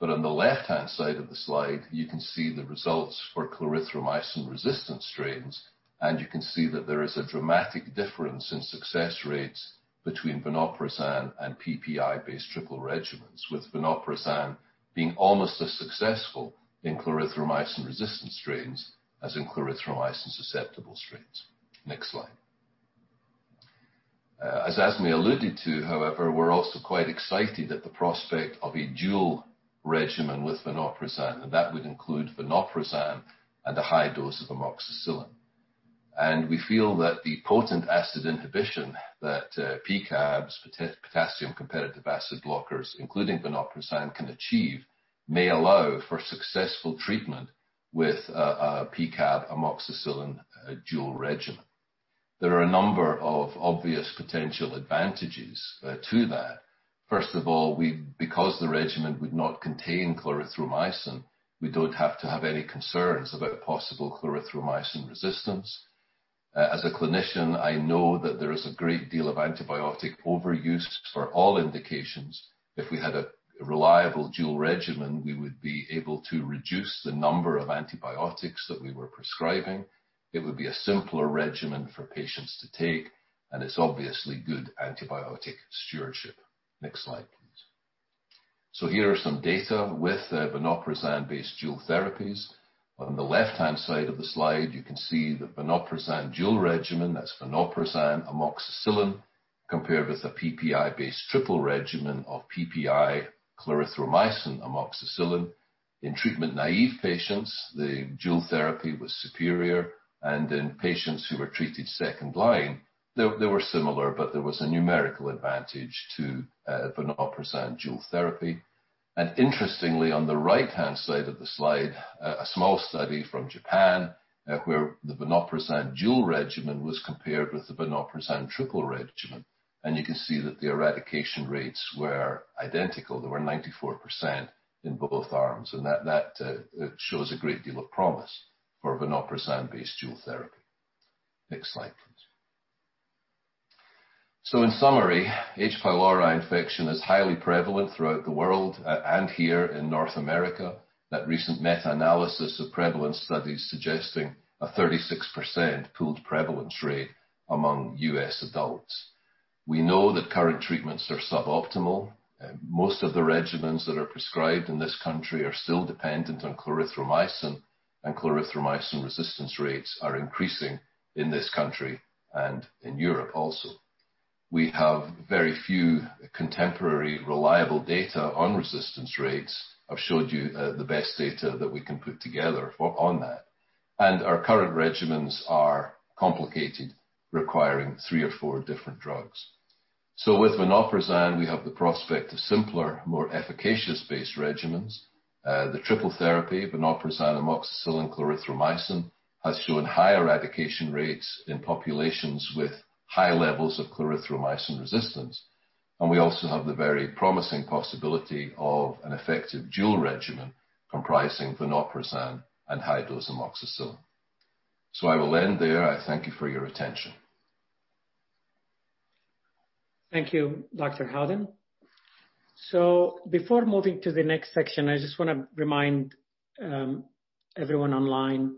On the left-hand side of the slide, you can see the results for clarithromycin resistant strains, and you can see that there is a dramatic difference in success rates between vonoprazan and PPI-based triple regimens, with vonoprazan being almost as successful in clarithromycin resistant strains as in clarithromycin susceptible strains. Next slide. As Azmi alluded to, however, we're also quite excited at the prospect of a dual regimen with vonoprazan, and that would include vonoprazan and a high dose of amoxicillin. We feel that the potent acid inhibition that PCABs, potassium competitive acid blockers, including vonoprazan can achieve, may allow for successful treatment with a PCAB amoxicillin dual regimen. There are a number of obvious potential advantages to that. First of all, because the regimen would not contain clarithromycin, we don't have to have any concerns about possible clarithromycin resistance. As a clinician, I know that there is a great deal of antibiotic overuse for all indications. If we had a reliable dual regimen, we would be able to reduce the number of antibiotics that we were prescribing. It would be a simpler regimen for patients to take, and it's obviously good antibiotic stewardship. Next slide, please. Here are some data with the vonoprazan-based dual therapies. On the left-hand side of the slide, you can see the vonoprazan dual regimen, that's vonoprazan amoxicillin, compared with a PPI-based triple regimen of PPI clarithromycin amoxicillin. In treatment-naive patients, the dual therapy was superior, and in patients who were treated second line, they were similar, but there was a numerical advantage to vonoprazan dual therapy. Interestingly, on the right-hand side of the slide, a small study from Japan, where the vonoprazan dual regimen was compared with the vonoprazan triple regimen. You can see that the eradication rates were identical. They were 94% in both arms, and that shows a great deal of promise for vonoprazan-based dual therapy. Next slide, please. In summary, H. pylori infection is highly prevalent throughout the world and here in North America. That recent meta-analysis of prevalence studies suggesting a 36% pooled prevalence rate among U.S. adults. We know that current treatments are suboptimal. Most of the regimens that are prescribed in this country are still dependent on clarithromycin, and clarithromycin resistance rates are increasing in this country and in Europe also. We have very few contemporary, reliable data on resistance rates. I've showed you the best data that we can put together on that. Our current regimens are complicated, requiring three or four different drugs. With vonoprazan, we have the prospect of simpler, more efficacious base regimens. The triple therapy, vonoprazan, amoxicillin, clarithromycin, has shown high eradication rates in populations with high levels of clarithromycin resistance. We also have the very promising possibility of an effective dual regimen comprising vonoprazan and high-dose amoxicillin. I will end there. I thank you for your attention. Thank you, Dr. Howden. Before moving to the next section, I just want to remind everyone online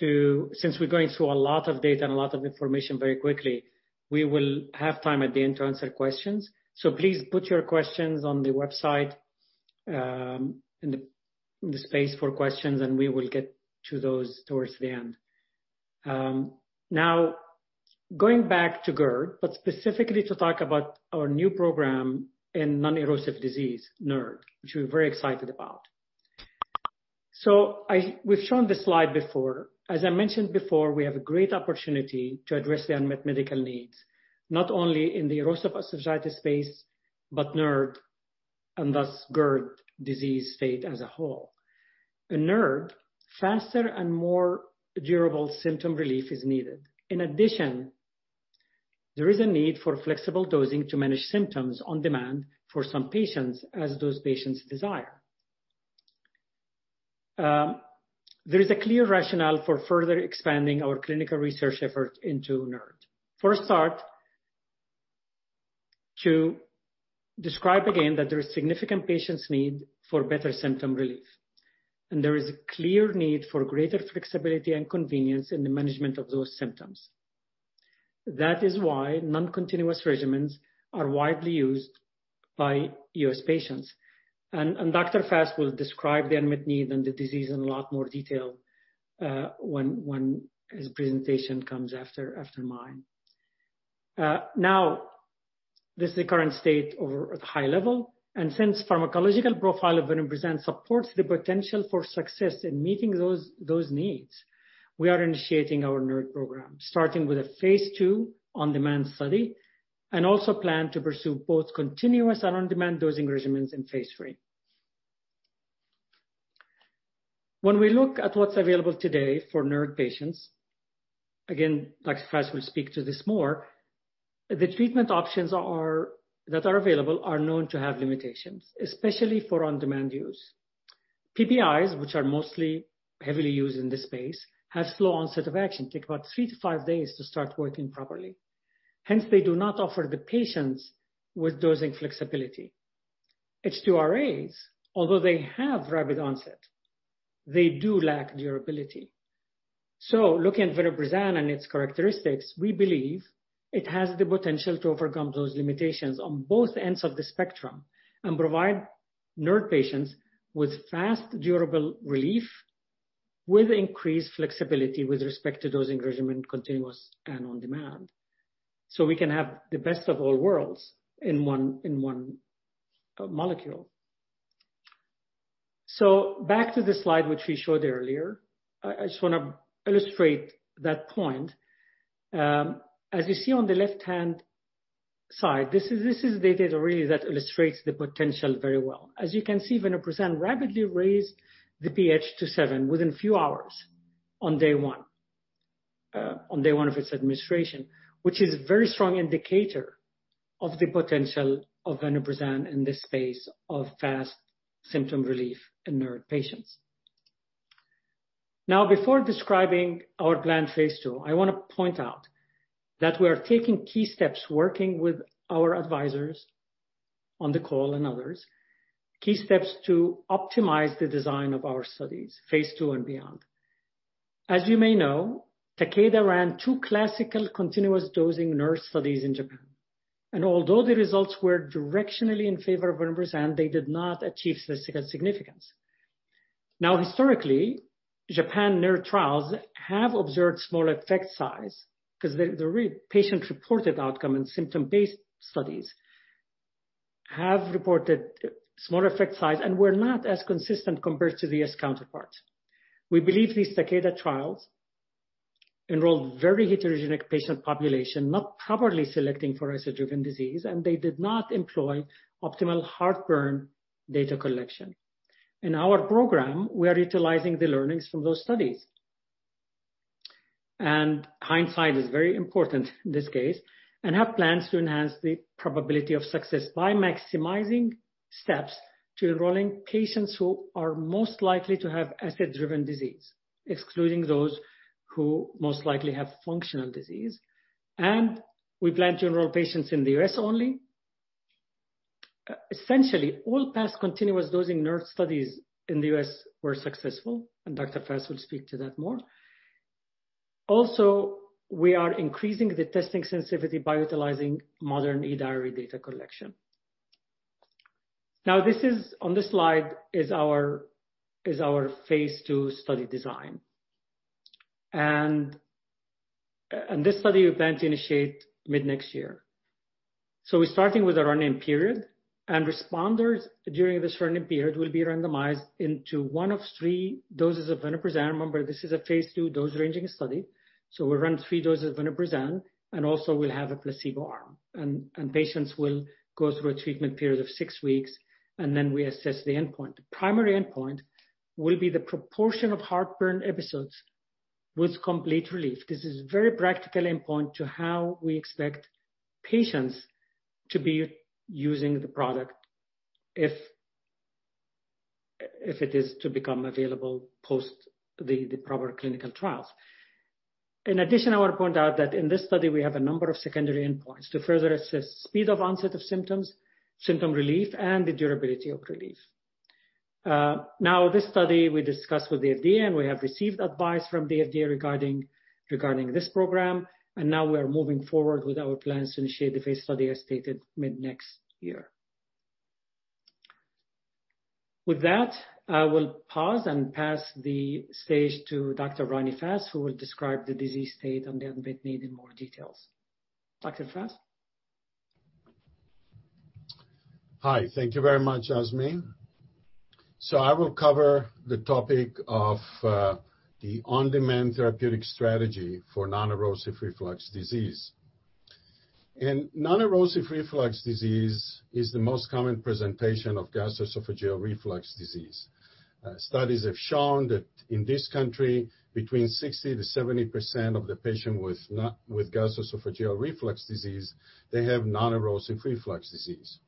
to, since we're going through a lot of data and a lot of information very quickly, we will have time at the end to answer questions. Please put your questions on the website, in the space for questions, and we will get to those towards the end. Now, going back to GERD, but specifically to talk about our new program in non-erosive disease, NERD, which we're very excited about. We've shown this slide before. As I mentioned before, we have a great opportunity to address the unmet medical needs, not only in the erosive esophagitis space, but NERD, and thus GERD disease state as a whole. In NERD, faster and more durable symptom relief is needed. In addition, there is a need for flexible dosing to manage symptoms on demand for some patients as those patients desire. There is a clear rationale for further expanding our clinical research effort into NERD. For a start, to describe again that there is significant patients need for better symptom relief. There is a clear need for greater flexibility and convenience in the management of those symptoms. That is why non-continuous regimens are widely used by U.S. patients. Dr. Fass will describe the unmet need and the disease in a lot more detail when his presentation comes after mine. This is the current state at high level. Since pharmacological profile of vonoprazan supports the potential for success in meeting those needs, we are initiating our NERD program, starting with a phase II on-demand study, also plan to pursue both continuous and on-demand dosing regimens in phase III. When we look at what's available today for NERD patients, again, Dr. Fass will speak to this more, the treatment options that are available are known to have limitations, especially for on-demand use. PPIs, which are mostly heavily used in this space, have slow onset of action, take about three to five days to start working properly. They do not offer the patients with dosing flexibility. H2RAs, although they have rapid onset, they do lack durability. Looking at vonoprazan and its characteristics, we believe it has the potential to overcome those limitations on both ends of the spectrum and provide NERD patients with fast, durable relief, with increased flexibility with respect to dosing regimen, continuous and on demand. We can have the best of all worlds in one molecule. Back to the slide which we showed earlier. I just want to illustrate that point. As you see on the left-hand side, this is data that really illustrates the potential very well. As you can see, vonoprazan rapidly raised the pH to seven within few hours on day one of its administration, which is very strong indicator of the potential of vonoprazan in this space of fast symptom relief in NERD patients. Before describing our planned phase II, I want to point out that we are taking key steps, working with our advisors on the call and others, key steps to optimize the design of our studies, phase II and beyond. As you may know, Takeda ran two classical continuous dosing NERD studies in Japan, and although the results were directionally in favor of vonoprazan, they did not achieve statistical significance. Historically, Japan NERD trials have observed smaller effect size because they're patient-reported outcome and symptom-based studies, have reported smaller effect size and were not as consistent compared to the U.S. counterparts. We believe these Takeda trials enrolled very heterogeneous patient population, not properly selecting for acid-driven disease, and they did not employ optimal heartburn data collection. In our program, we are utilizing the learnings from those studies, and hindsight is very important in this case, and have plans to enhance the probability of success by maximizing steps to enrolling patients who are most likely to have acid-driven disease, excluding those who most likely have functional disease. We plan to enroll patients in the U.S. only. Essentially, all past continuous dosing NERD studies in the U.S. were successful, and Dr. Fass will speak to that more. Also, we are increasing the testing sensitivity by utilizing modern e-diary data collection. On this slide is our phase II study design, and this study we plan to initiate mid-next year. We're starting with a run-in period, and responders during this run-in period will be randomized into one of three doses of vonoprazan. Remember, this is a phase II dose-ranging study, so we run three doses of vonoprazan, and also we'll have a placebo arm. Patients will go through a treatment period of six weeks, and then we assess the endpoint. The primary endpoint will be the proportion of heartburn episodes with complete relief. This is very practical endpoint to how we expect patients to be using the product if it is to become available post the proper clinical trials. In addition, I want to point out that in this study, we have a number of secondary endpoints to further assess speed of onset of symptoms, symptom relief, and the durability of relief. Now, this study we discussed with the FDA, and we have received advice from the FDA regarding this program, and now we are moving forward with our plans to initiate the phase study as stated mid-next year. With that, I will pause and pass the stage to Dr. Ronnie Fass, who will describe the disease state and the unmet need in more details. Dr. Fass? Hi. Thank you very much, Azmi. I will cover the topic of the on-demand therapeutic strategy for non-erosive reflux disease. Non-erosive reflux disease is the most common presentation of gastroesophageal reflux disease. Studies have shown that in this country, between 60%-70% of the patient with gastroesophageal reflux disease, they have non-erosive reflux disease.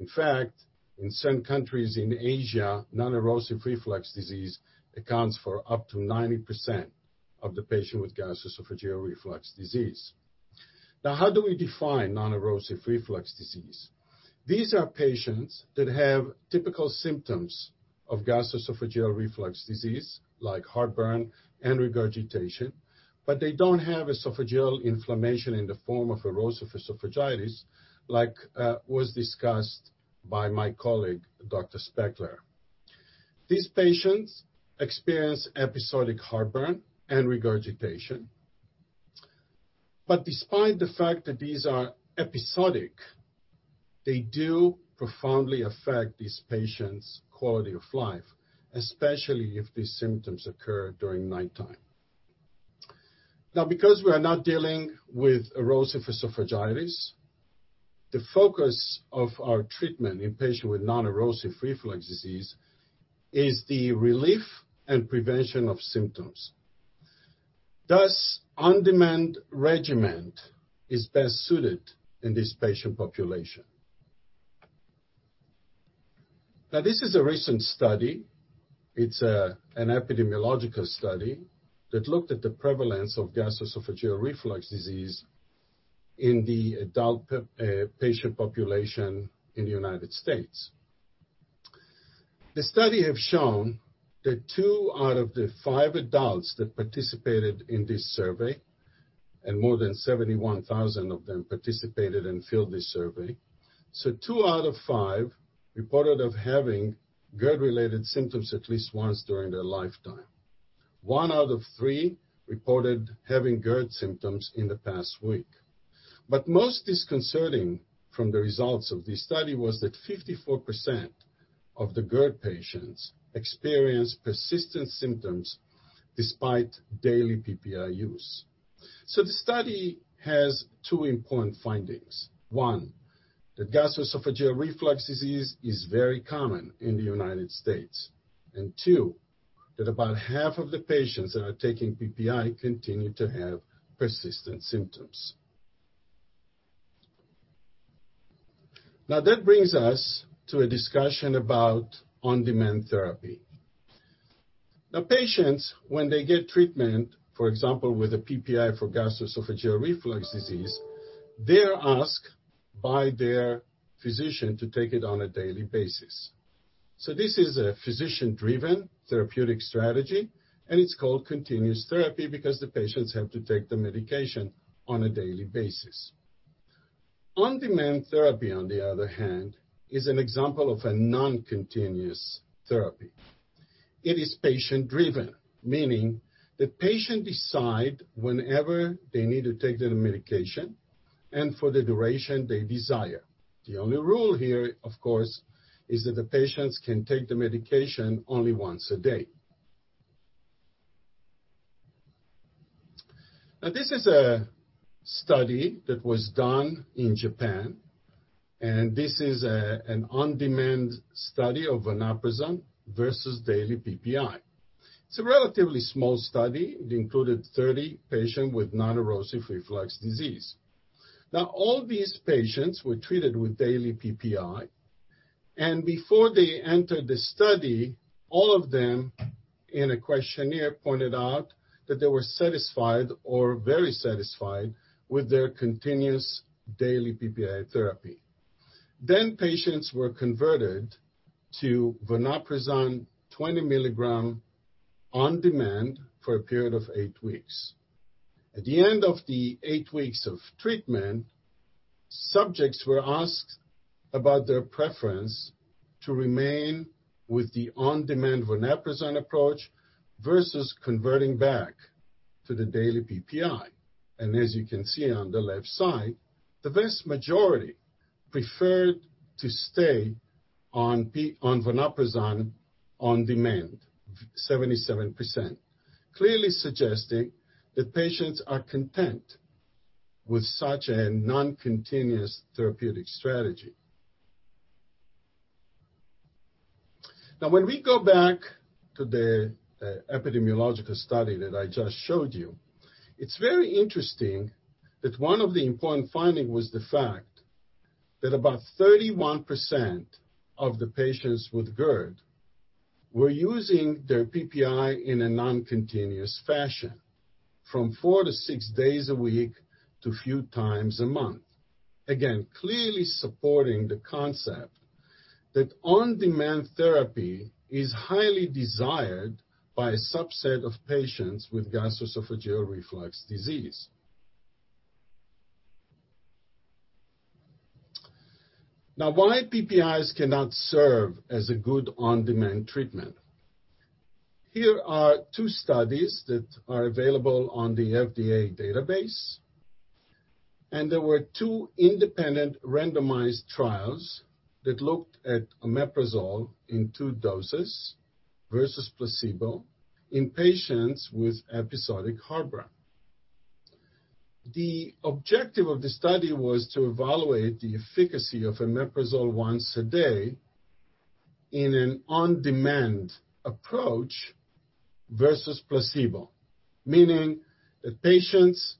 In fact, in certain countries in Asia, non-erosive reflux disease accounts for up to 90% of the patient with gastroesophageal reflux disease. How do we define non-erosive reflux disease? These are patients that have typical symptoms of gastroesophageal reflux disease, like heartburn and regurgitation, but they don't have esophageal inflammation in the form of erosive esophagitis like was discussed by my colleague, Dr. Spechler. These patients experience episodic heartburn and regurgitation. Despite the fact that these are episodic, they do profoundly affect these patients' quality of life, especially if these symptoms occur during nighttime. Because we are not dealing with erosive esophagitis, the focus of our treatment in patient with non-erosive reflux disease is the relief and prevention of symptoms. Thus, on-demand regimen is best suited in this patient population. This is a recent study. It's an epidemiological study that looked at the prevalence of gastroesophageal reflux disease in the adult patient population in the United States. The study have shown that two out of the five adults that participated in this survey, and more than 71,000 of them participated and filled this survey. Two out of five reported of having GERD-related symptoms at least once during their lifetime. One out of three reported having GERD symptoms in the past week. Most disconcerting from the results of this study was that 54% of the GERD patients experienced persistent symptoms despite daily PPI use. The study has two important findings. One, that gastroesophageal reflux disease is very common in the United States. Two, that about half of the patients that are taking PPI continue to have persistent symptoms. Now, that brings us to a discussion about on-demand therapy. Now, patients, when they get treatment, for example, with a PPI for gastroesophageal reflux disease, they're asked by their physician to take it on a daily basis. This is a physician-driven therapeutic strategy, and it's called continuous therapy because the patients have to take the medication on a daily basis. On-demand therapy, on the other hand, is an example of a non-continuous therapy. It is patient-driven, meaning the patients decide whenever they need to take their medication and for the duration they desire. The only rule here, of course, is that the patients can take the medication only once a day. This is a study that was done in Japan, and this is an on-demand study of vonoprazan versus daily PPI. It's a relatively small study. It included 30 patients with non-erosive reflux disease. All these patients were treated with daily PPI, and before they entered the study, all of them, in a questionnaire, pointed out that they were satisfied or very satisfied with their continuous daily PPI therapy. Patients were converted to vonoprazan 20 mg on demand for a period of eight weeks. At the end of the eight weeks of treatment, subjects were asked about their preference to remain with the on-demand vonoprazan approach versus converting back to the daily PPI. As you can see on the left side, the vast majority preferred to stay on vonoprazan on demand, 77%, clearly suggesting that patients are content with such a non-continuous therapeutic strategy. When we go back to the epidemiological study that I just showed you, it's very interesting that one of the important finding was the fact that about 31% of the patients with GERD were using their PPI in a non-continuous fashion from four to six days a week to few times a month. Clearly supporting the concept that on-demand therapy is highly desired by a subset of patients with gastroesophageal reflux disease. Why PPIs cannot serve as a good on-demand treatment? Here are two studies that are available on the FDA database. There were two independent randomized trials that looked at omeprazole in two doses versus placebo in patients with episodic heartburn. The objective of the study was to evaluate the efficacy of omeprazole once a day in an on-demand approach versus placebo, meaning the patients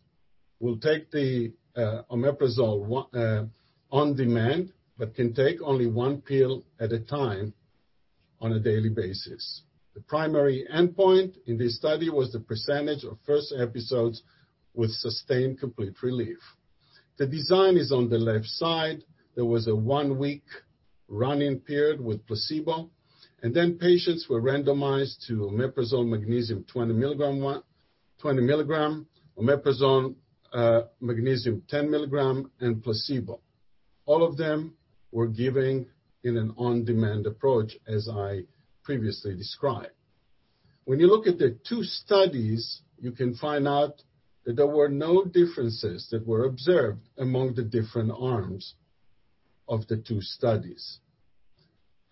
will take the omeprazole on demand, but can take only one pill at a time on a daily basis. The primary endpoint in this study was the percentage of first episodes with sustained complete relief. The design is on the left side. There was a one-week run-in period with placebo, and then patients were randomized to omeprazole magnesium 20 mg, omeprazole magnesium 10 mg, and placebo. All of them were given in an on-demand approach, as I previously described. When you look at the two studies, you can find out that there were no differences that were observed among the different arms of the two studies.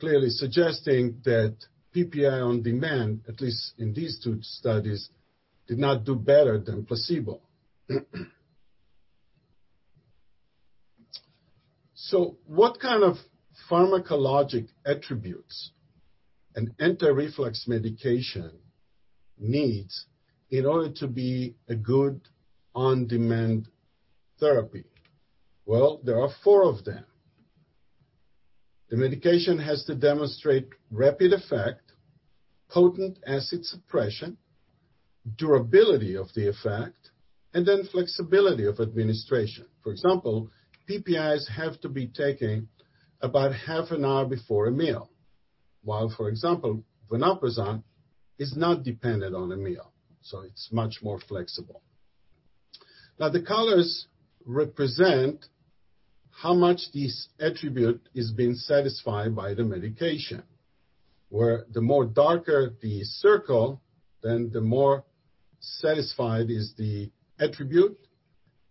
Clearly suggesting that PPI on demand, at least in these two studies, did not do better than placebo. What kind of pharmacologic attributes an anti-reflux medication needs in order to be a good on-demand therapy? Well, there are four of them. The medication has to demonstrate rapid effect, potent acid suppression, durability of the effect, flexibility of administration. For example, PPIs have to be taken about half an hour before a meal. While, for example, vonoprazan is not dependent on a meal, it's much more flexible. The colors represent how much this attribute is being satisfied by the medication, where the more darker the circle, then the more satisfied is the attribute,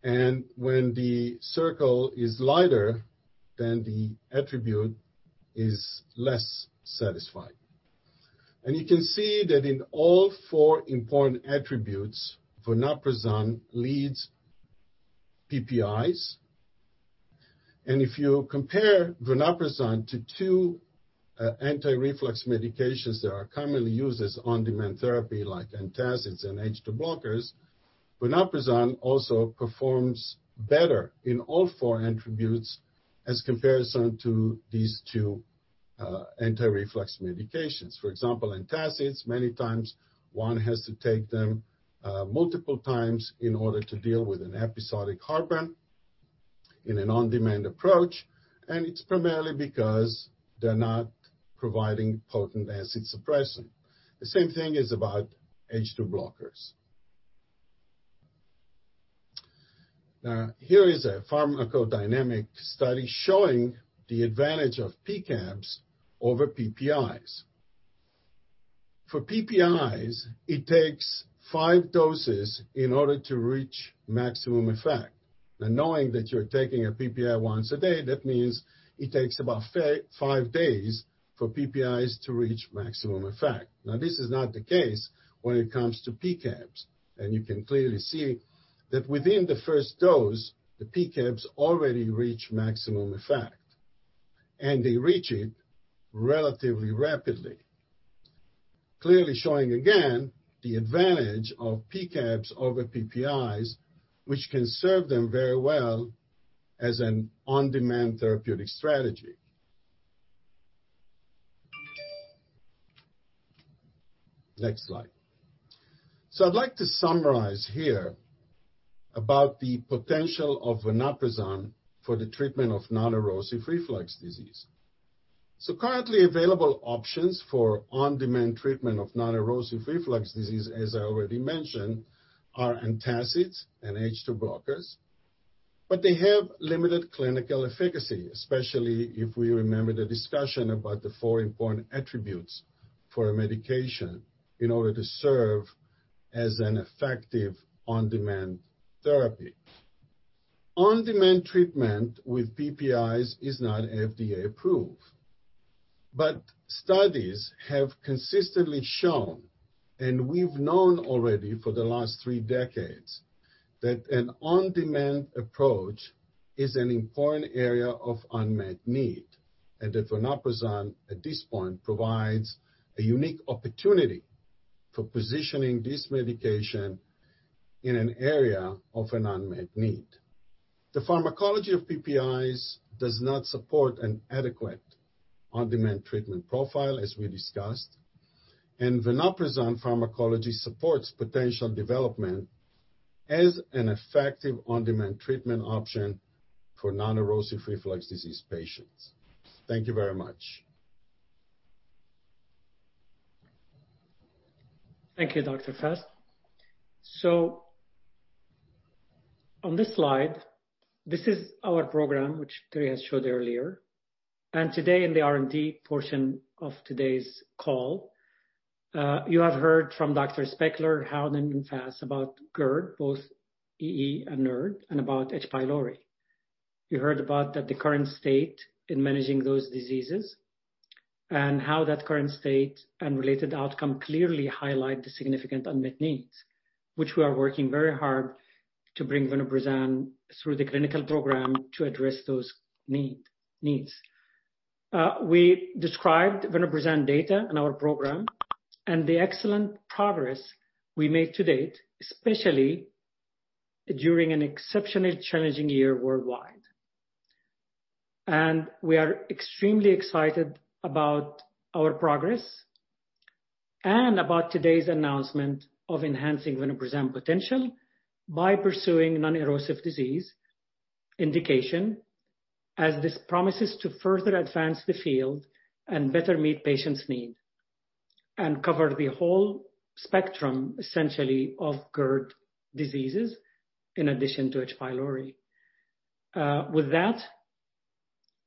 and when the circle is lighter, then the attribute is less satisfying. You can see that in all four important attributes, vonoprazan leads PPIs. If you compare vonoprazan to two anti-reflux medications that are commonly used as on-demand therapy, like antacids and H2 blockers, vonoprazan also performs better in all four attributes as comparison to these two antireflux medications. For example, antacids, many times one has to take them multiple times in order to deal with an episodic heartburn. In an on-demand approach, it's primarily because they're not providing potent acid suppression. The same thing is about H2 blockers. Here is a pharmacodynamic study showing the advantage of PCABs over PPIs. For PPIs, it takes five doses in order to reach maximum effect. Now, knowing that you're taking a PPI once a day, that means it takes about five days for PPIs to reach maximum effect. Now, this is not the case when it comes to PCABs. You can clearly see that within the first dose, the PCABs already reach maximum effect, and they reach it relatively rapidly. Clearly showing, again, the advantage of PCABs over PPIs, which can serve them very well as an on-demand therapeutic strategy. Next slide. I'd like to summarize here about the potential of vonoprazan for the treatment of non-erosive reflux disease. Currently available options for on-demand treatment of non-erosive reflux disease, as I already mentioned, are antacids and H2 blockers, but they have limited clinical efficacy, especially if we remember the discussion about the four important attributes for a medication in order to serve as an effective on-demand therapy. On-demand treatment with PPIs is not FDA approved. Studies have consistently shown, and we've known already for the last three decades, that an on-demand approach is an important area of unmet need, and that vonoprazan, at this point, provides a unique opportunity for positioning this medication in an area of an unmet need. The pharmacology of PPIs does not support an adequate on-demand treatment profile, as we discussed, and vonoprazan pharmacology supports potential development as an effective on-demand treatment option for non-erosive reflux disease patients. Thank you very much. Thank you, Dr. Fass. On this slide, this is our program, which Terrie has showed earlier. Today, in the R&D portion of today's call, you have heard from Dr. Spechler, Howden, and Fass about GERD, both EE and NERD, and about H. pylori. You heard about the current state in managing those diseases and how that current state and related outcome clearly highlight the significant unmet needs, which we are working very hard to bring vonoprazan through the clinical program to address those needs. We described vonoprazan data in our program and the excellent progress we made to-date, especially during an exceptionally challenging year worldwide. We are extremely excited about our progress and about today's announcement of enhancing vonoprazan potential by pursuing non-erosive disease indication, as this promises to further advance the field and better meet patients' need, and cover the whole spectrum, essentially, of GERD diseases, in addition to H. pylori. With that,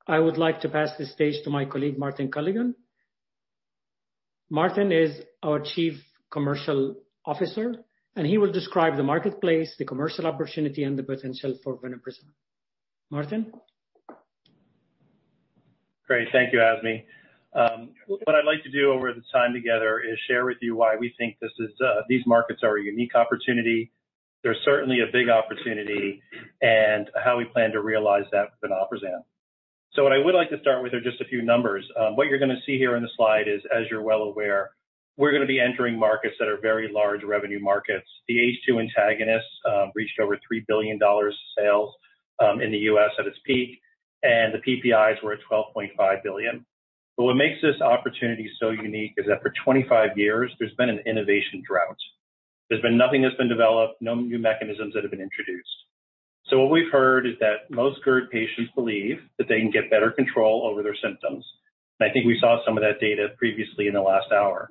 I would like to pass the stage to my colleague, Martin Gilligan. Martin is our Chief Commercial Officer, and he will describe the marketplace, the commercial opportunity, and the potential for vonoprazan. Martin? Great. Thank you, Azmi. What I'd like to do over the time together is share with you why we think these markets are a unique opportunity. They're certainly a big opportunity, and how we plan to realize that with vonoprazan. What I would like to start with are just a few numbers. What you're going to see here on the slide is, as you're well aware, we're going to be entering markets that are very large revenue markets. The H2 antagonists reached over $3 billion sales in the U.S. at its peak, and the PPIs were at $12.5 billion. What makes this opportunity so unique is that for 25 years, there's been an innovation drought. There's been nothing that's been developed, no new mechanisms that have been introduced. What we've heard is that most GERD patients believe that they can get better control over their symptoms, and I think we saw some of that data previously in the last hour.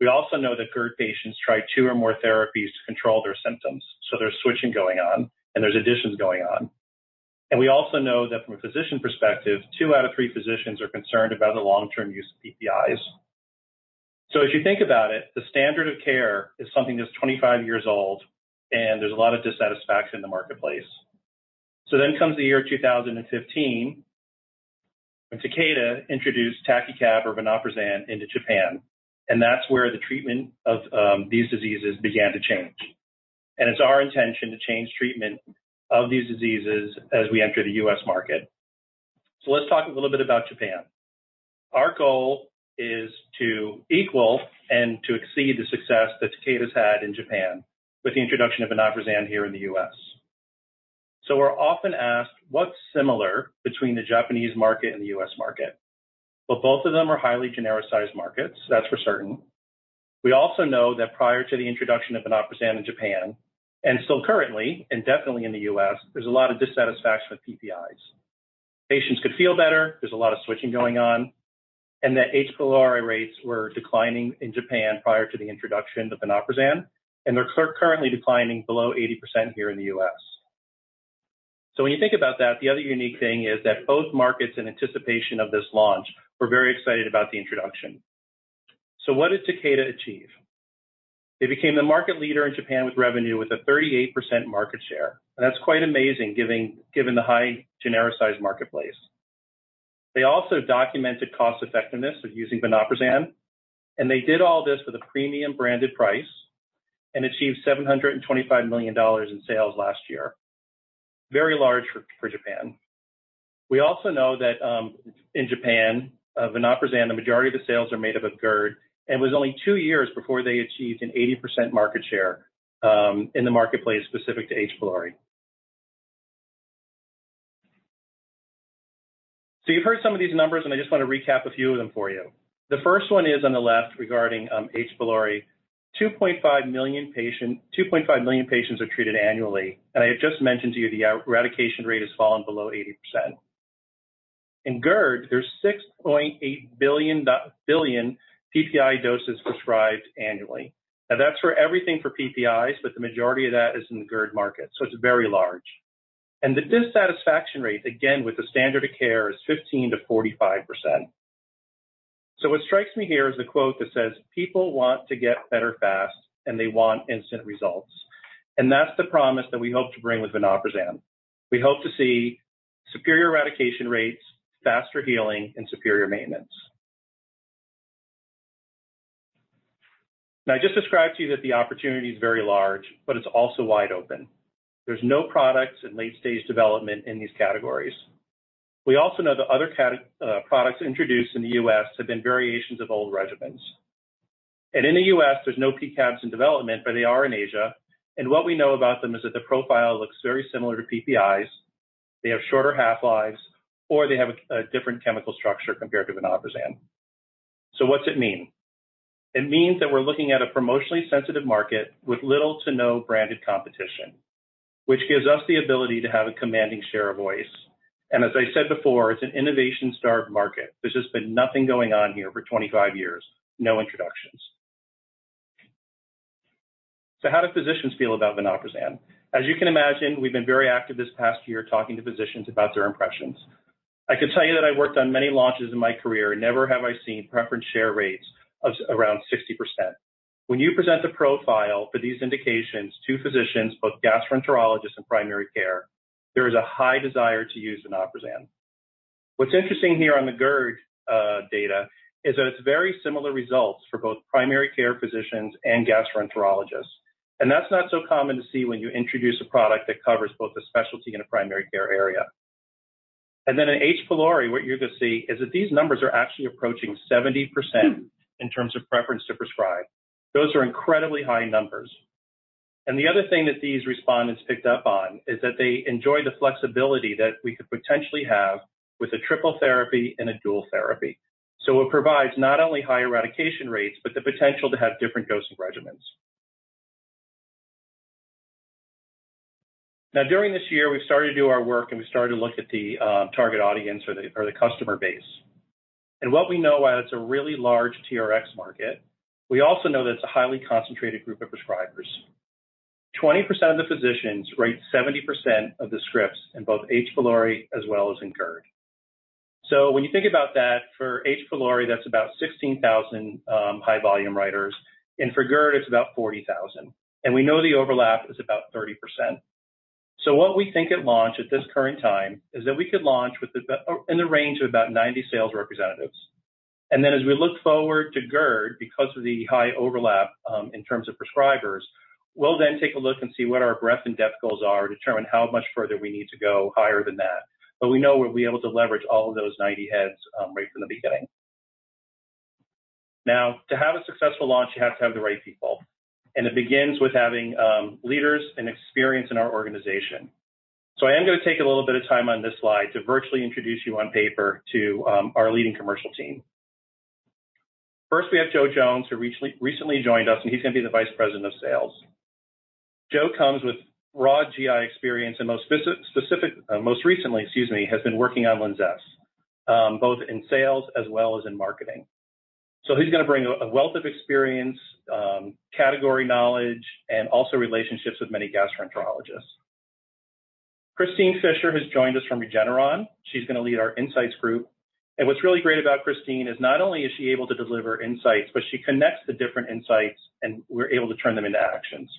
We also know that GERD patients try two or more therapies to control their symptoms, so there's switching going on, and there's additions going on. We also know that from a physician perspective, two out of three physicians are concerned about the long-term use of PPIs. If you think about it, the standard of care is something that's 25 years old, and there's a lot of dissatisfaction in the marketplace. Then comes the year 2015, when Takeda introduced TAKECAB or vonoprazan into Japan, and that's where the treatment of these diseases began to change. It's our intention to change treatment of these diseases as we enter the U.S. market. Let's talk a little bit about Japan. Our goal is to equal and to exceed the success that Takeda's had in Japan with the introduction of vonoprazan here in the U.S. We're often asked, "What's similar between the Japanese market and the U.S. market?" Both of them are highly genericized markets, that's for certain. We also know that prior to the introduction of vonoprazan in Japan, and still currently, and definitely in the U.S., there's a lot of dissatisfaction with PPIs. Patients could feel better, there's a lot of switching going on, and that H. pylori rates were declining in Japan prior to the introduction of vonoprazan, and they're currently declining below 80% here in the U.S. When you think about that, the other unique thing is that both markets, in anticipation of this launch, were very excited about the introduction. What did Takeda achieve? They became the market leader in Japan with revenue, a 38% market share. That's quite amazing, given the high genericized marketplace. They also documented cost effectiveness of using vonoprazan, and they did all this with a premium branded price and achieved $725 million in sales last year. Very large for Japan. We also know that in Japan, vonoprazan, the majority of the sales are made up of GERD, and it was only two years before they achieved an 80% market share in the marketplace specific to H. pylori. You've heard some of these numbers, and I just want to recap a few of them for you. The first one is on the left regarding H. pylori. 2.5 million patients are treated annually. I have just mentioned to you the eradication rate has fallen below 80%. In GERD, there's 6.8 billion PPI doses prescribed annually. That's for everything for PPIs, but the majority of that is in the GERD market, so it's very large. The dissatisfaction rate, again, with the standard of care, is 15%-45%. What strikes me here is a quote that says, "People want to get better fast and they want instant results." That's the promise that we hope to bring with vonoprazan. We hope to see superior eradication rates, faster healing, and superior maintenance. I just described to you that the opportunity is very large, but it's also wide open. There's no products in late-stage development in these categories. We also know that other products introduced in the U.S. have been variations of old regimens. In the U.S., there's no PCABs in development, but they are in Asia. What we know about them is that the profile looks very similar to PPIs. They have shorter half-lives, or they have a different chemical structure compared to vonoprazan. What's it mean? It means that we're looking at a promotionally sensitive market with little to no branded competition, which gives us the ability to have a commanding share of voice. As I said before, it's an innovation-starved market. There's just been nothing going on here for 25 years. No introductions. How do physicians feel about vonoprazan? As you can imagine, we've been very active this past year, talking to physicians about their impressions. I can tell you that I've worked on many launches in my career, never have I seen preference share rates of around 60%. When you present the profile for these indications to physicians, both gastroenterologists and primary care, there is a high desire to use vonoprazan. What's interesting here on the GERD data is that it's very similar results for both primary care physicians and gastroenterologists. That's not so common to see when you introduce a product that covers both a specialty and a primary care area. Then in H. pylori, what you're going to see is that these numbers are actually approaching 70% in terms of preference to prescribe. Those are incredibly high numbers. The other thing that these respondents picked up on is that they enjoy the flexibility that we could potentially have with a triple therapy and a dual therapy. It provides not only high eradication rates, but the potential to have different dosing regimens. Now, during this year, we've started to do our work, and we started to look at the target audience or the customer base. What we know, while it's a really large TRx market, we also know that it's a highly concentrated group of prescribers. 20% of the physicians write 70% of the scripts in both H. pylori as well as in GERD. When you think about that, for H. pylori, that's about 16,000 high-volume writers, and for GERD, it's about 40,000. We know the overlap is about 30%. What we think at launch at this current time is that we could launch in the range of about 90 sales representatives. As we look forward to GERD, because of the high overlap in terms of prescribers, we'll then take a look and see what our breadth and depth goals are to determine how much further we need to go higher than that. We know we'll be able to leverage all of those 90 heads right from the beginning. To have a successful launch, you have to have the right people, and it begins with having leaders and experience in our organization. I am going to take a little bit of time on this slide to virtually introduce you on paper to our leading commercial team. First, we have Joe Jones, who recently joined us, and he's going to be the vice president of sales. Joe comes with raw GI experience and most recently, has been working on LINZESS, both in sales as well as in marketing. He's going to bring a wealth of experience, category knowledge, and also relationships with many gastroenterologists. Christine Fischer has joined us from Regeneron. She's going to lead our insights group. What's really great about Christine is not only is she able to deliver insights, but she connects the different insights, and we're able to turn them into actions.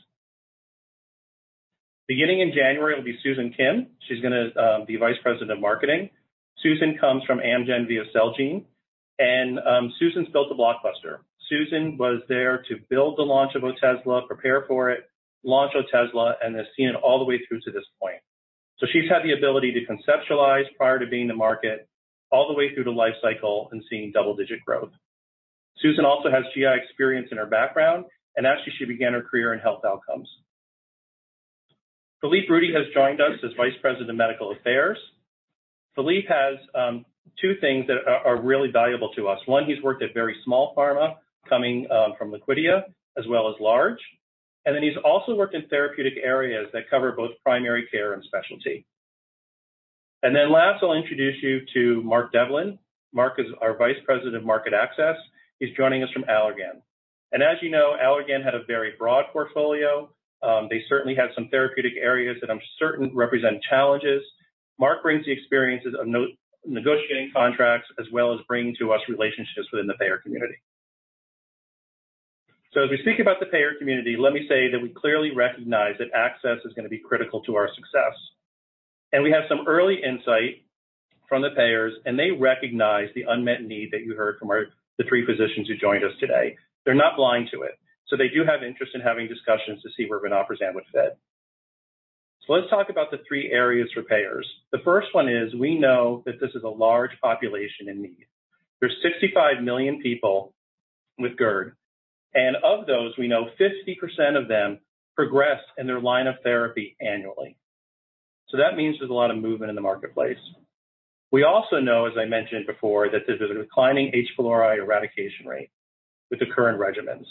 Beginning in January, it'll be Susan Kim. She's going to be vice president of marketing. Susan comes from Amgen via Celgene, and Susan's built a blockbuster. Susan was there to build the launch of Otezla, prepare for it, launch Otezla, and has seen it all the way through to this point. She's had the ability to conceptualize prior to being in the market, all the way through the life cycle and seeing double-digit growth. Susan also has GI experience in her background, and actually, she began her career in health outcomes. Philippe Roux has joined us as vice president of medical affairs. Philippe has two things that are really valuable to us. One, he's worked at very small pharma, coming from Liquidia, as well as large. He's also worked in therapeutic areas that cover both primary care and specialty. Last, I'll introduce you to Mark Devlin. Mark is our vice president of market access. He's joining us from Allergan. As you know, Allergan had a very broad portfolio. They certainly had some therapeutic areas that I'm certain represent challenges. Mark brings the experiences of negotiating contracts as well as bringing to us relationships within the payer community. As we think about the payer community, let me say that we clearly recognize that access is going to be critical to our success. We have some early insight from the payers, and they recognize the unmet need that you heard from the three physicians who joined us today. They're not blind to it. They do have interest in having discussions to see where vonoprazan would fit. Let's talk about the three areas for payers. The first one is we know that this is a large population in need. There's 65 million people with GERD, and of those, we know 50% of them progress in their line of therapy annually. That means there's a lot of movement in the marketplace. We also know, as I mentioned before, that there's a declining H. pylori eradication rate with the current regimens.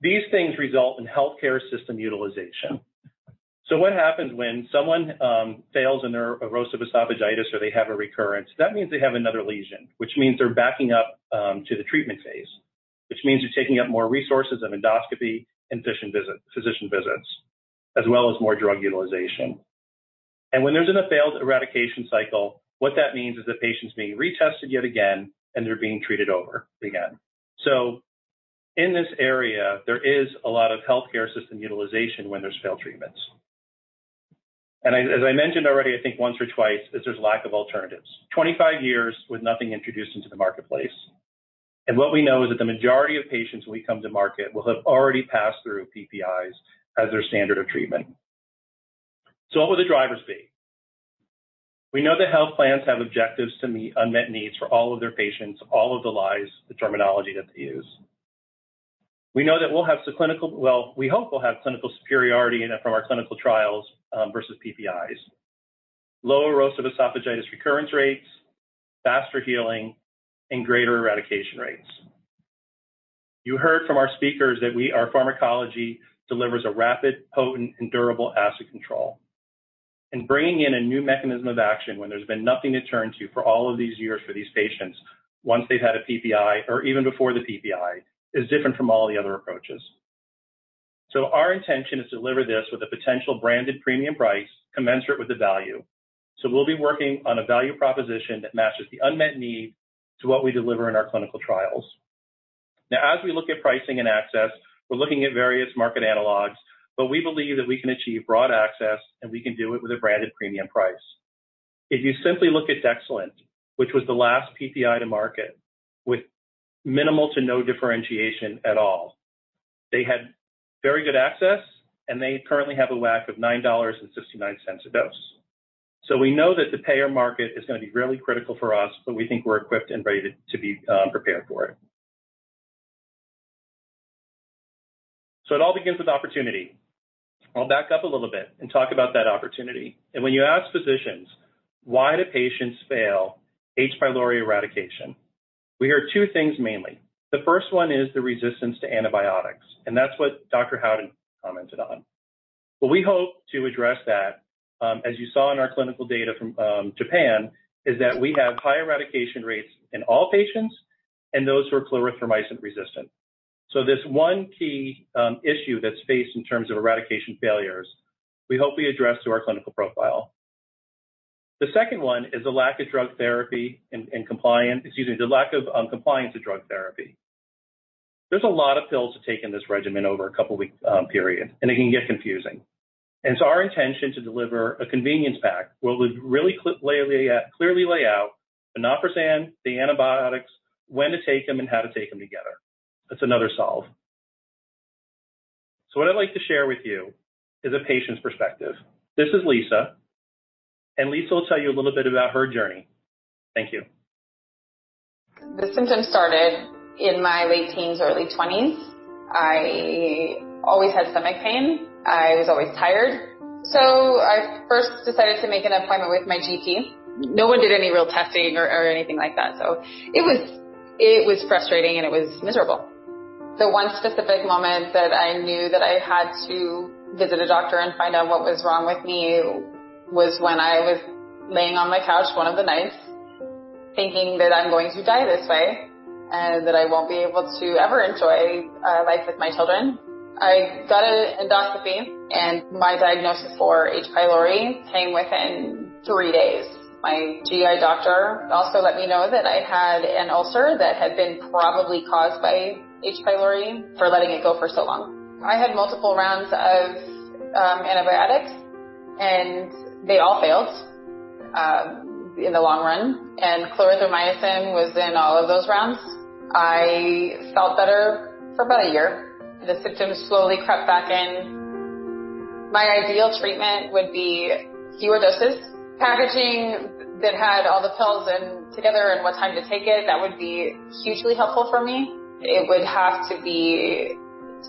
These things result in healthcare system utilization. What happens when someone fails in their erosive esophagitis, or they have a recurrence? That means they have another lesion, which means they're backing up to the treatment phase, which means you're taking up more resources of endoscopy and physician visits, as well as more drug utilization. When there's a failed eradication cycle, what that means is the patient's being retested yet again, and they're being treated over again. In this area, there is a lot of healthcare system utilization when there's failed treatments. As I mentioned already, I think once or twice, is there's lack of alternatives. 25 years with nothing introduced into the marketplace. What we know is that the majority of patients when we come to market will have already passed through PPIs as their standard of treatment. What will the drivers be? We know that health plans have objectives to meet unmet needs for all of their patients, all of the lives, the terminology that they use. We know that we'll have some clinical, we hope we'll have clinical superiority from our clinical trials versus PPIs. Lower erosive esophagitis recurrence rates, faster healing, and greater eradication rates. You heard from our speakers that our pharmacology delivers a rapid, potent, and durable acid control. Bringing in a new mechanism of action when there's been nothing to turn to for all of these years for these patients, once they've had a PPI or even before the PPI, is different from all the other approaches. Our intention is to deliver this with a potential branded premium price commensurate with the value. We'll be working on a value proposition that matches the unmet need to what we deliver in our clinical trials. As we look at pricing and access, we're looking at various market analogs, but we believe that we can achieve broad access, and we can do it with a branded premium price. If you simply look at DEXILANT, which was the last PPI to market, with minimal to no differentiation at all, they had very good access, and they currently have a WAC of $9.69 a dose. We know that the payer market is going to be really critical for us, but we think we're equipped and ready to be prepared for it. It all begins with opportunity. I'll back up a little bit and talk about that opportunity. When you ask physicians, why do patients fail H. pylori eradication? We hear two things mainly. The first one is the resistance to antibiotics, and that's what Dr. Howden commented on. What we hope to address that, as you saw in our clinical data from Japan, is that we have high eradication rates in all patients and those who are clarithromycin-resistant. This one key issue that's faced in terms of eradication failures, we hope we address through our clinical profile. The second one is a lack of drug therapy and compliance. Excuse me, the lack of compliance of drug therapy. There's a lot of pills to take in this regimen over a couple of week period, and it can get confusing. Our intention to deliver a convenience pack where we'll really clearly lay out vonoprazan, the antibiotics, when to take them, and how to take them together. That's another solve. What I'd like to share with you is a patient's perspective. This is Lisa, and Lisa will tell you a little bit about her journey. Thank you. The symptoms started in my late teens, early 20s. I always had stomach pain. I was always tired. I first decided to make an appointment with my GP. No one did any real testing or anything like that. It was frustrating, and it was miserable. The one specific moment that I knew that I had to visit a doctor and find out what was wrong with me was when I was laying on my couch one of the nights, thinking that I'm going to die this way, and that I won't be able to ever enjoy a life with my children. I got an endoscopy, and my diagnosis for H. pylori came within three days. My GI doctor also let me know that I had an ulcer that had been probably caused by H. pylori for letting it go for so long. I had multiple rounds of antibiotics, and they all failed in the long run, and clarithromycin was in all of those rounds. I felt better for about a year. The symptoms slowly crept back in. My ideal treatment would be fewer doses, packaging that had all the pills in together and what time to take it. That would be hugely helpful for me. It would have to be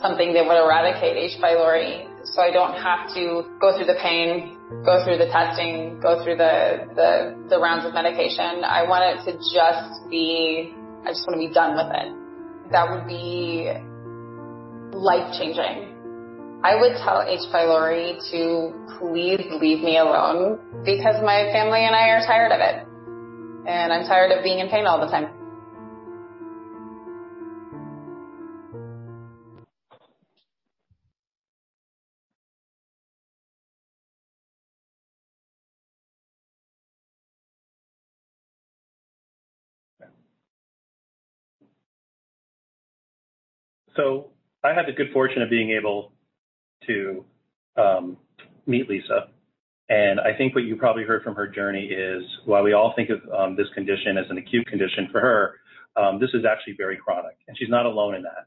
something that would eradicate H. pylori, so I don't have to go through the pain, go through the testing, go through the rounds of medication. I just want to be done with it. That would be life-changing. I would tell H. pylori to please leave me alone because my family and I are tired of it. I'm tired of being in pain all the time. I had the good fortune of being able to meet Lisa, and I think what you probably heard from her journey is, while we all think of this condition as an acute condition for her, this is actually very chronic, and she's not alone in that.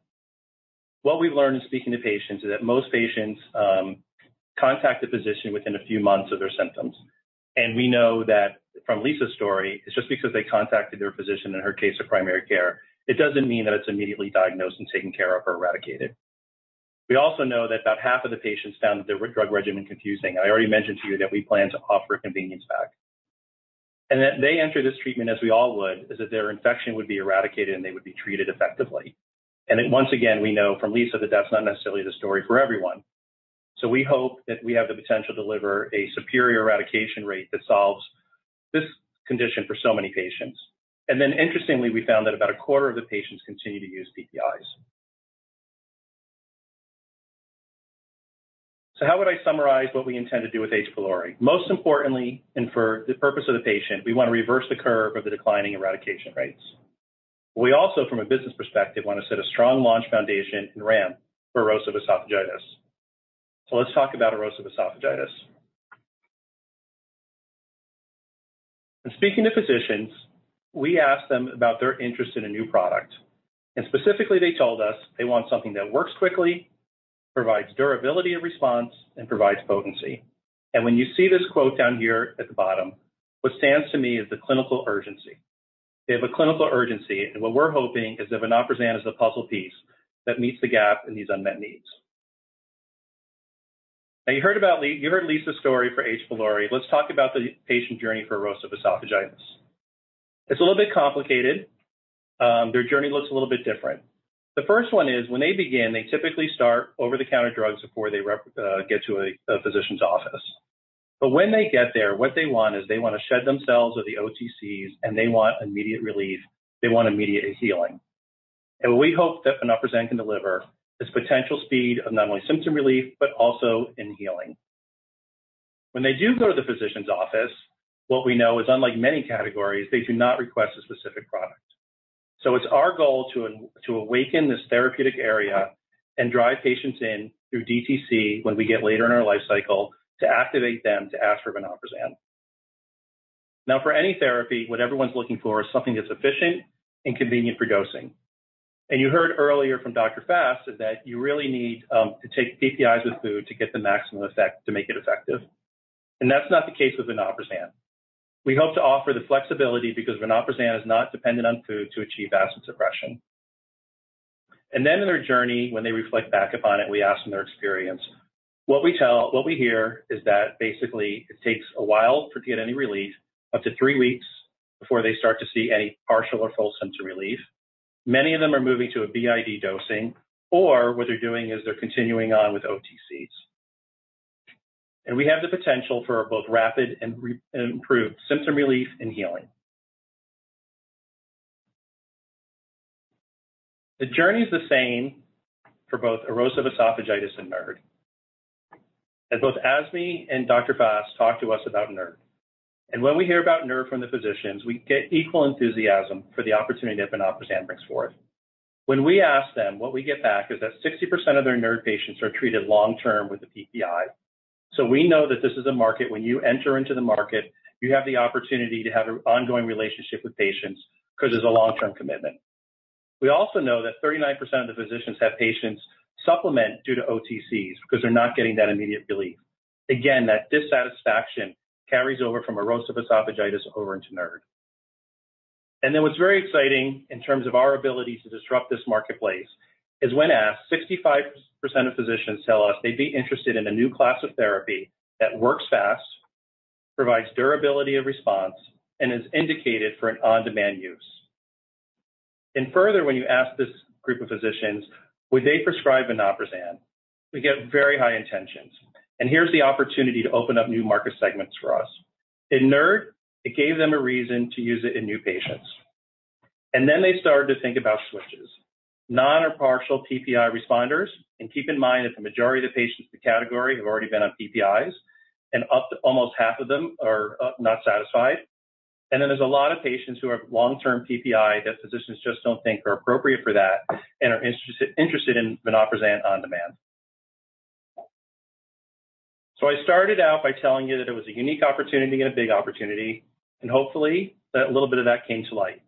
What we've learned in speaking to patients is that most patients contact the physician within a few months of their symptoms. We know that from Lisa's story, it's just because they contacted their physician, in her case, her primary care, it doesn't mean that it's immediately diagnosed and taken care of or eradicated. We also know that about half of the patients found their drug regimen confusing. I already mentioned to you that we plan to offer a convenience pack. That they enter this treatment, as we all would, is that their infection would be eradicated, and they would be treated effectively. Once again, we know from Lisa that that's not necessarily the story for everyone. We hope that we have the potential to deliver a superior eradication rate that solves this condition for so many patients. Interestingly, we found that about a quarter of the patients continue to use PPIs. How would I summarize what we intend to do with H. pylori? Most importantly, and for the purpose of the patient, we want to reverse the curve of the declining eradication rates. We also, from a business perspective, want to set a strong launch foundation and ramp for erosive esophagitis. Let's talk about erosive esophagitis. In speaking to physicians, we asked them about their interest in a new product, specifically, they told us they want something that works quickly, provides durability of response, provides potency. When you see this quote down here at the bottom, what stands to me is the clinical urgency. They have a clinical urgency, what we're hoping is that vonoprazan is the puzzle piece that meets the gap in these unmet needs. Now, you heard Lisa's story for H. pylori. Let's talk about the patient journey for erosive esophagitis. It's a little bit complicated. Their journey looks a little bit different. The first one is when they begin, they typically start over-the-counter drugs before they get to a physician's office. When they get there, what they want is they want to shed themselves of the OTCs, they want immediate relief. They want immediate healing. We hope that vonoprazan can deliver this potential speed of not only symptom relief but also in healing. When they do go to the physician's office, what we know is, unlike many categories, they do not request a specific product. It's our goal to awaken this therapeutic area and drive patients in through DTC when we get later in our life cycle to activate them to ask for vonoprazan. For any therapy, what everyone's looking for is something that's efficient and convenient for dosing. You heard earlier from Dr. Fass that you really need to take PPIs with food to get the maximum effect to make it effective, and that's not the case with vonoprazan. We hope to offer the flexibility because vonoprazan is not dependent on food to achieve acid suppression. Then in their journey, when they reflect back upon it, we ask them their experience. What we hear is that basically, it takes a while to get any relief, up to three weeks before they start to see any partial or full symptom relief. Many of them are moving to a BID dosing, or what they're doing is they're continuing on with OTCs. We have the potential for both rapid and improved symptom relief and healing. The journey is the same for both erosive esophagitis and NERD, as both Azmi and Dr. Fass talked to us about NERD. When we hear about NERD from the physicians, we get equal enthusiasm for the opportunity that vonoprazan brings forth. When we ask them, what we get back is that 60% of their NERD patients are treated long term with a PPI. We know that this is a market, when you enter into the market, you have the opportunity to have an ongoing relationship with patients because there's a long-term commitment. We also know that 39% of the physicians have patients supplement due to OTCs because they're not getting that immediate relief. Again, that dissatisfaction carries over from erosive esophagitis over into NERD. What's very exciting in terms of our ability to disrupt this marketplace is when asked, 65% of physicians tell us they'd be interested in a new class of therapy that works fast, provides durability of response, and is indicated for an on-demand use. Further, when you ask this group of physicians, would they prescribe vonoprazan? We get very high intentions. Here's the opportunity to open up new market segments for us. In NERD, it gave them a reason to use it in new patients. They started to think about switchers. Non or partial PPI responders. Keep in mind that the majority of the patients in the category have already been on PPIs, and up to almost half of them are not satisfied. There's a lot of patients who are long-term PPI that physicians just don't think are appropriate for that and are interested in vonoprazan on-demand. I started out by telling you that it was a unique opportunity and a big opportunity, and hopefully, a little bit of that came to light.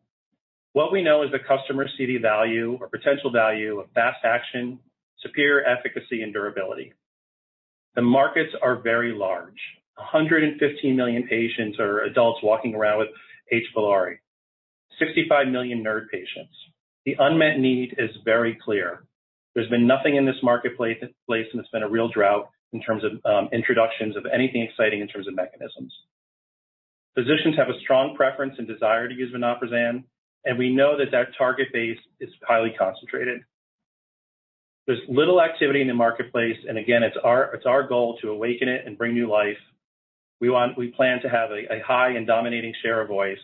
What we know is the customer see the value or potential value of fast action, superior efficacy, and durability. The markets are very large. 115 million patients are adults walking around with H. pylori. 65 million NERD patients. The unmet need is very clear. There's been nothing in this marketplace, and it's been a real drought in terms of introductions of anything exciting in terms of mechanisms. Physicians have a strong preference and desire to use vonoprazan, and we know that that target base is highly concentrated. There's little activity in the marketplace, and again, it's our goal to awaken it and bring new life. We plan to have a high and dominating share of voice.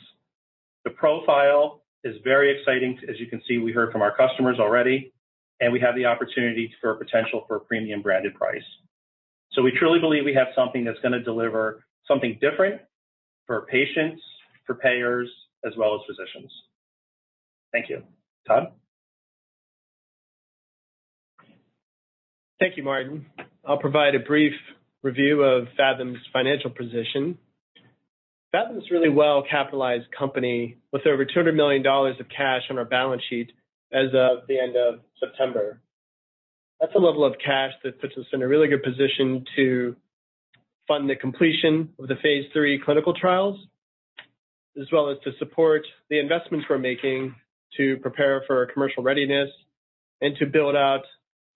The profile is very exciting. As you can see, we heard from our customers already, and we have the opportunity for a potential for a premium branded price. We truly believe we have something that's going to deliver something different for patients, for payers, as well as physicians. Thank you. Todd? Thank you, Martin. I'll provide a brief review of Phathom's financial position. Phathom's a really well-capitalized company with over $200 million of cash on our balance sheet as of the end of September. That's a level of cash that puts us in a really good position to fund the completion of the phase III clinical trials, as well as to support the investments we're making to prepare for commercial readiness and to build out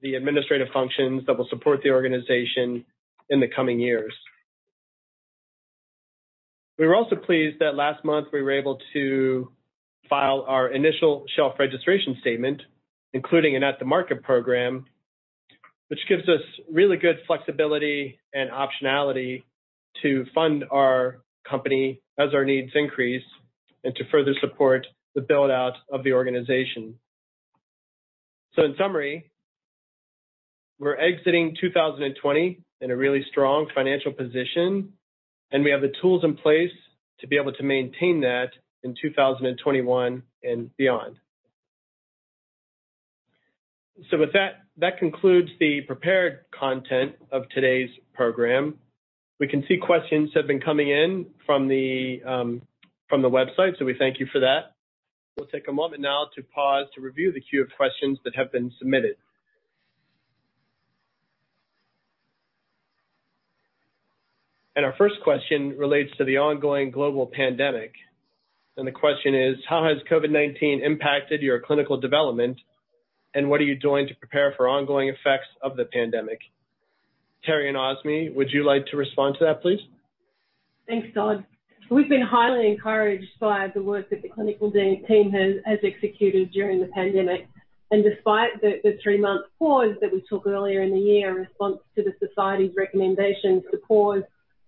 the administrative functions that will support the organization in the coming years. We were also pleased that last month we were able to file our initial shelf registration statement, including an at-the-market program, which gives us really good flexibility and optionality to fund our company as our needs increase and to further support the build-out of the organization. In summary, we're exiting 2020 in a really strong financial position, and we have the tools in place to be able to maintain that in 2021 and beyond. With that concludes the prepared content of today's program. We can see questions have been coming in from the website, so we thank you for that. We'll take a moment now to pause to review the queue of questions that have been submitted. Our first question relates to the ongoing global pandemic. The question is: how has COVID-19 impacted your clinical development, and what are you doing to prepare for ongoing effects of the pandemic? Terrie and Azmi, would you like to respond to that, please? Thanks, Todd. We've been highly encouraged by the work that the clinical team has executed during the pandemic. Despite the three-month pause that we took earlier in the year in response to the society's recommendation to pause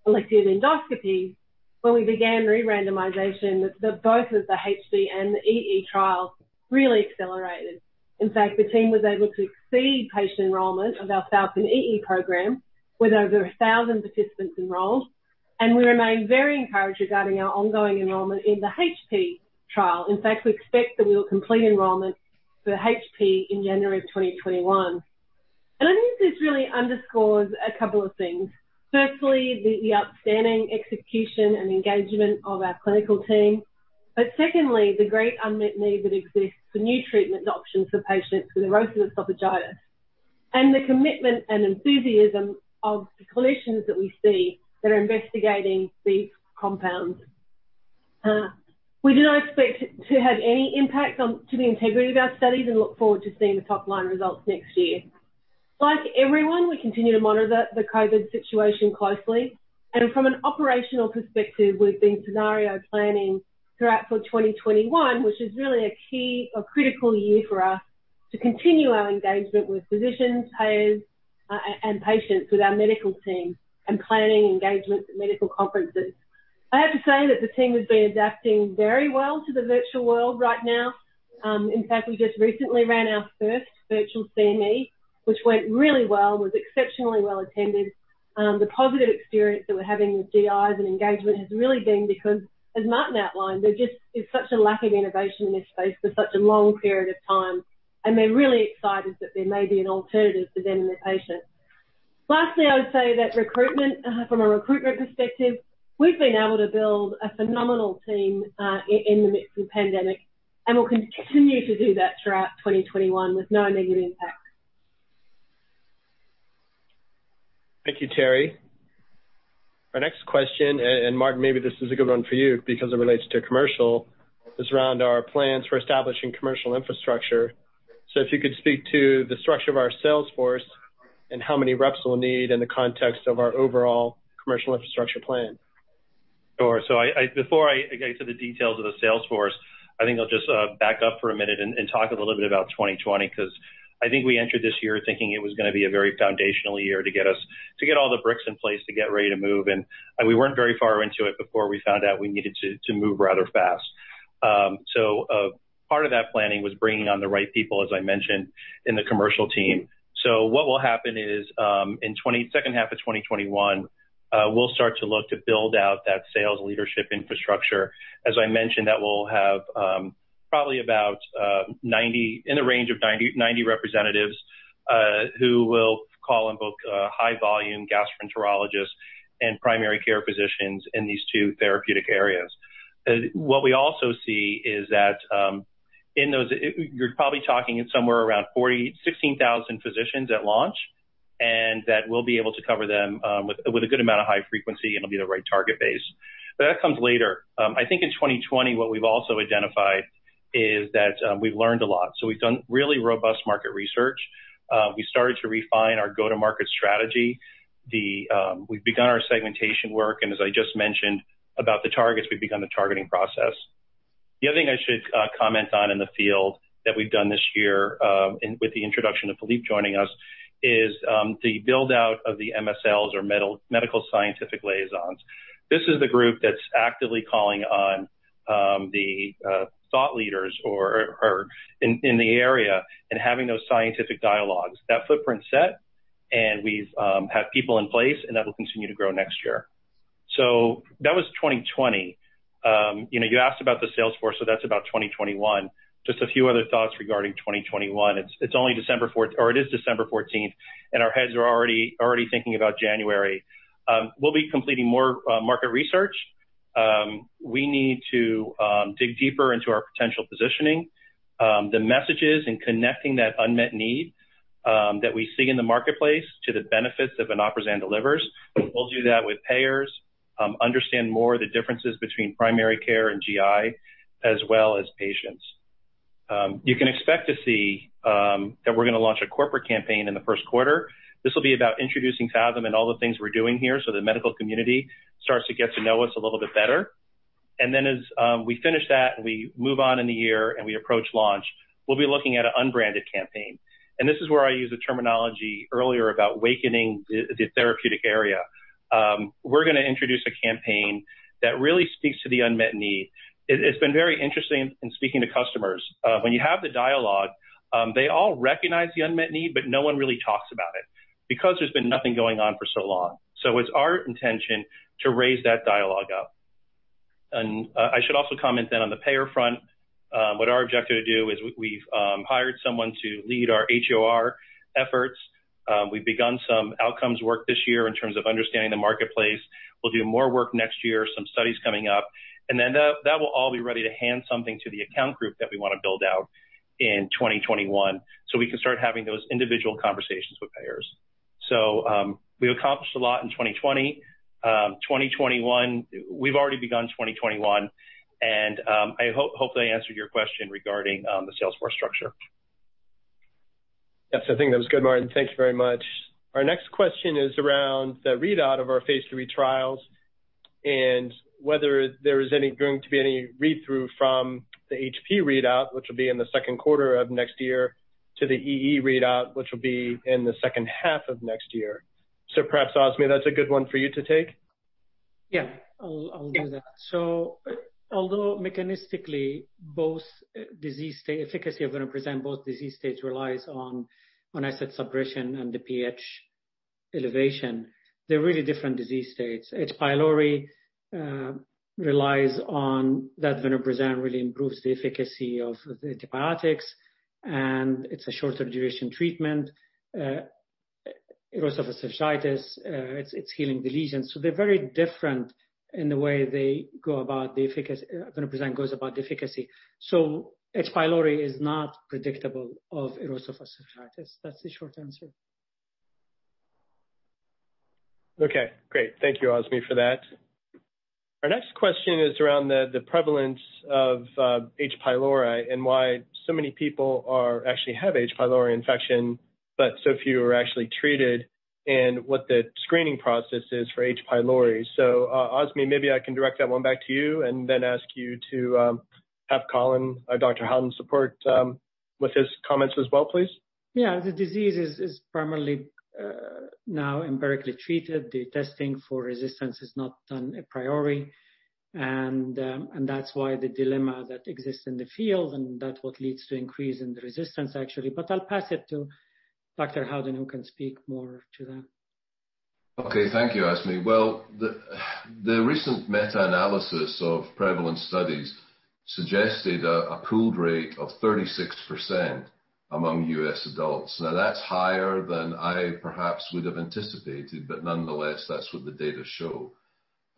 elective endoscopy, when we began re-randomization, both of the HP and the EE trials really accelerated. In fact, the team was able to exceed patient enrollment of our PHALCON-EE program, with over 1,000 participants enrolled, and we remain very encouraged regarding our ongoing enrollment in the HP trial. In fact, we expect that we will complete enrollment for HP in January 2021. I think this really underscores a couple of things. Firstly, the outstanding execution and engagement of our clinical team. Secondly, the great unmet need that exists for new treatment options for patients with erosive esophagitis and the commitment and enthusiasm of the clinicians that we see that are investigating these compounds. We do not expect to have any impact to the integrity of our studies and look forward to seeing the top-line results next year. Like everyone, we continue to monitor the COVID situation closely, and from an operational perspective, we've been scenario planning throughout for 2021, which is really a key, a critical year for us to continue our engagement with physicians, payers, and patients with our medical team and planning engagements at medical conferences. I have to say that the team has been adapting very well to the virtual world right now. In fact, we just recently ran our first virtual CME, which went really well, was exceptionally well attended. The positive experience that we're having with GIs and engagement has really been because, as Martin outlined, there just is such a lack of innovation in this space for such a long period of time, and they're really excited that there may be an alternative for them and their patients. Lastly, I would say that from a recruitment perspective, we've been able to build a phenomenal team in the midst of the pandemic, and we'll continue to do that throughout 2021 with no negative impact. Thank you, Terrie. Our next question, Martin, maybe this is a good one for you because it relates to commercial, is around our plans for establishing commercial infrastructure. If you could speak to the structure of our sales force and how many reps we'll need in the context of our overall commercial infrastructure plan. Sure. Before I get into the details of the sales force, I think I'll just back up for a minute and talk a little bit about 2020, because I think we entered this year thinking it was going to be a very foundational year to get all the bricks in place to get ready to move. We weren't very far into it before we found out we needed to move rather fast. Part of that planning was bringing on the right people, as I mentioned, in the commercial team. What will happen is, in the second half of 2021, we'll start to look to build out that sales leadership infrastructure. As I mentioned, that will have probably about 90, in the range of 90 representatives who will call and book high-volume gastroenterologists and primary care physicians in these two therapeutic areas. What we also see is that in those, you're probably talking somewhere around 16,000 physicians at launch, and that we'll be able to cover them with a good amount of high frequency, and it'll be the right target base. That comes later. I think in 2020, what we've also identified is that we've learned a lot. We've done really robust market research. We started to refine our go-to-market strategy. We've begun our segmentation work, and as I just mentioned about the targets, we've begun the targeting process. The other thing I should comment on in the field that we've done this year, with the introduction of Philippe joining us, is the build-out of the MSLs or Medical Scientific Liaisons. This is the group that's actively calling on the thought leaders or in the area and having those scientific dialogues. That footprint's set, and we've had people in place, and that'll continue to grow next year. That was 2020. You asked about the sales force, so that's about 2021. Just a few other thoughts regarding 2021. It's only December 14th, or it is December 14th, and our heads are already thinking about January. We'll be completing more market research. We need to dig deeper into our potential positioning. The messages and connecting that unmet need that we see in the marketplace to the benefits that vonoprazan delivers, we'll do that with payers, understand more of the differences between primary care and GI, as well as patients. You can expect to see that we're going to launch a corporate campaign in the first quarter. This will be about introducing Phathom and all the things we're doing here, so the medical community starts to get to know us a little bit better. Then as we finish that, and we move on in the year and we approach launch, we'll be looking at an unbranded campaign. This is where I used the terminology earlier about wakening the therapeutic area. We're going to introduce a campaign that really speaks to the unmet need. It's been very interesting in speaking to customers. When you have the dialogue, they all recognize the unmet need, but no one really talks about it because there's been nothing going on for so long. It's our intention to raise that dialogue up. I should also comment then on the payer front. What our objective to do is we've hired someone to lead our HEOR efforts. We've begun some outcomes work this year in terms of understanding the marketplace. We'll do more work next year, some studies coming up. That will all be ready to hand something to the account group that we want to build out in 2021, so we can start having those individual conversations with payers. We accomplished a lot in 2020. 2021, we've already begun 2021. I hope that answered your question regarding the sales force structure. Yes, I think that was good, Martin. Thank you very much. Our next question is around the readout of our phase III trials and whether there is going to be any read-through from the HP readout, which will be in the second quarter of next year, to the EE readout, which will be in the second half of next year. Perhaps, Azmi, that is a good one for you to take. Yeah. I'll do that. Although mechanistically, both disease efficacy of vonoprazan, both disease states relies on acid suppression and the pH elevation, they're really different disease states. H. pylori relies on that vonoprazan really improves the efficacy of the antibiotics, and it's a shorter duration treatment. Erosive esophagitis, it's healing the lesions. They're very different in the way they go about the efficacy, vonoprazan goes about the efficacy. H. pylori is not predictable of erosive esophagitis. That's the short answer. Okay, great. Thank you, Azmi, for that. Our next question is around the prevalence of H. pylori and why so many people actually have H. pylori infection, but so few are actually treated, and what the screening process is for H. pylori. Azmi, maybe I can direct that one back to you and then ask you to have Colin, Dr. Howden support with his comments as well, please. Yeah. The disease is primarily now empirically treated. The testing for resistance is not done a priori. That's why the dilemma that exists in the field and that's what leads to increase in the resistance, actually. I'll pass it to Dr. Howden, who can speak more to that. Thank you, Azmi. Well, the recent meta-analysis of prevalent studies suggested a pooled rate of 36% among U.S. adults. That's higher than I perhaps would have anticipated, nonetheless, that's what the data show.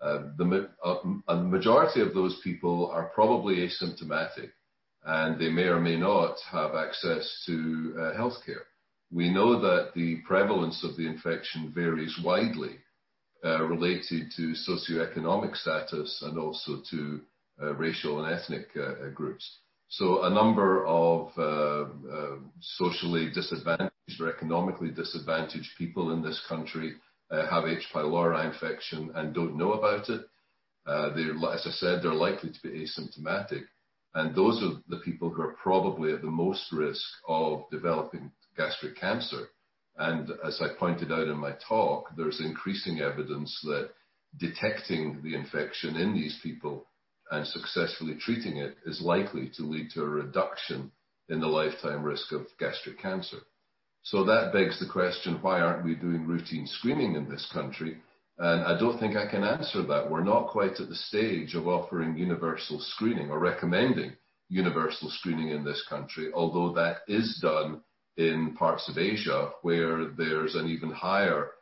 A majority of those people are probably asymptomatic, they may or may not have access to healthcare. We know that the prevalence of the infection varies widely related to socioeconomic status and also to racial and ethnic groups. A number of socially disadvantaged or economically disadvantaged people in this country have H. pylori infection and don't know about it. As I said, they're likely to be asymptomatic, those are the people who are probably at the most risk of developing gastric cancer. As I pointed out in my talk, there's increasing evidence that detecting the infection in these people and successfully treating it is likely to lead to a reduction in the lifetime risk of gastric cancer. That begs the question, why aren't we doing routine screening in this country? I don't think I can answer that. We're not quite at the stage of offering universal screening or recommending universal screening in this country, although that is done in parts of Asia, where there's an even higher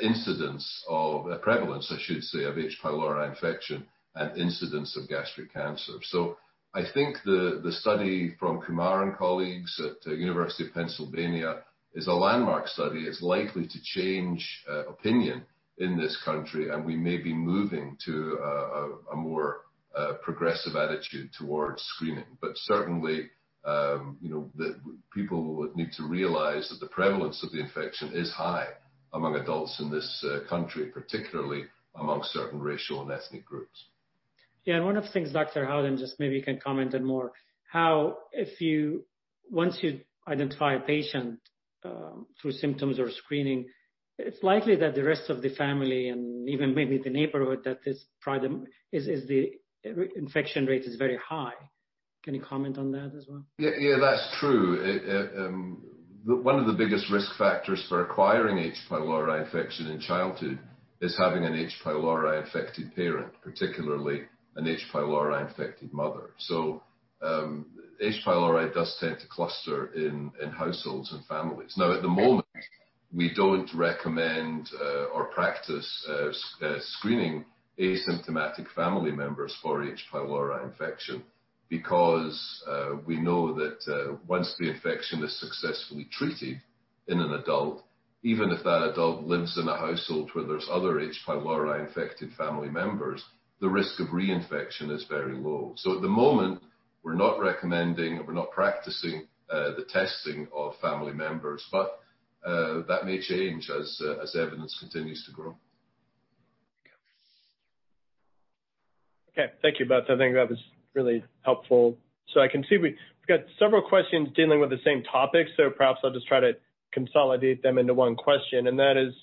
incidence of, prevalence, I should say, of H. pylori infection and incidence of gastric cancer. I think the study from Kumar and colleagues at University of Pennsylvania is a landmark study. It's likely to change opinion in this country, and we may be moving to a more progressive attitude towards screening. Certainly, people would need to realize that the prevalence of the infection is high among adults in this country, particularly among certain racial and ethnic groups. Yeah. One of the things, Dr. Howden, just maybe you can comment on more, how once you identify a patient through symptoms or screening, it's likely that the rest of the family and even maybe the neighborhood, that the infection rate is very high. Can you comment on that as well? Yeah, that's true. One of the biggest risk factors for acquiring H. pylori infection in childhood is having an H. pylori infected parent, particularly an H. pylori infected mother. H. pylori does tend to cluster in households and families. At the moment, we don't recommend or practice screening asymptomatic family members for H. pylori infection because we know that once the infection is successfully treated in an adult, even if that adult lives in a household where there's other H. pylori infected family members, the risk of reinfection is very low. At the moment, we're not recommending or we're not practicing the testing of family members. That may change as evidence continues to grow. Okay. Okay. Thank you both. I think that was really helpful. I can see we've got several questions dealing with the same topic, perhaps I'll just try to consolidate them into one question, and that is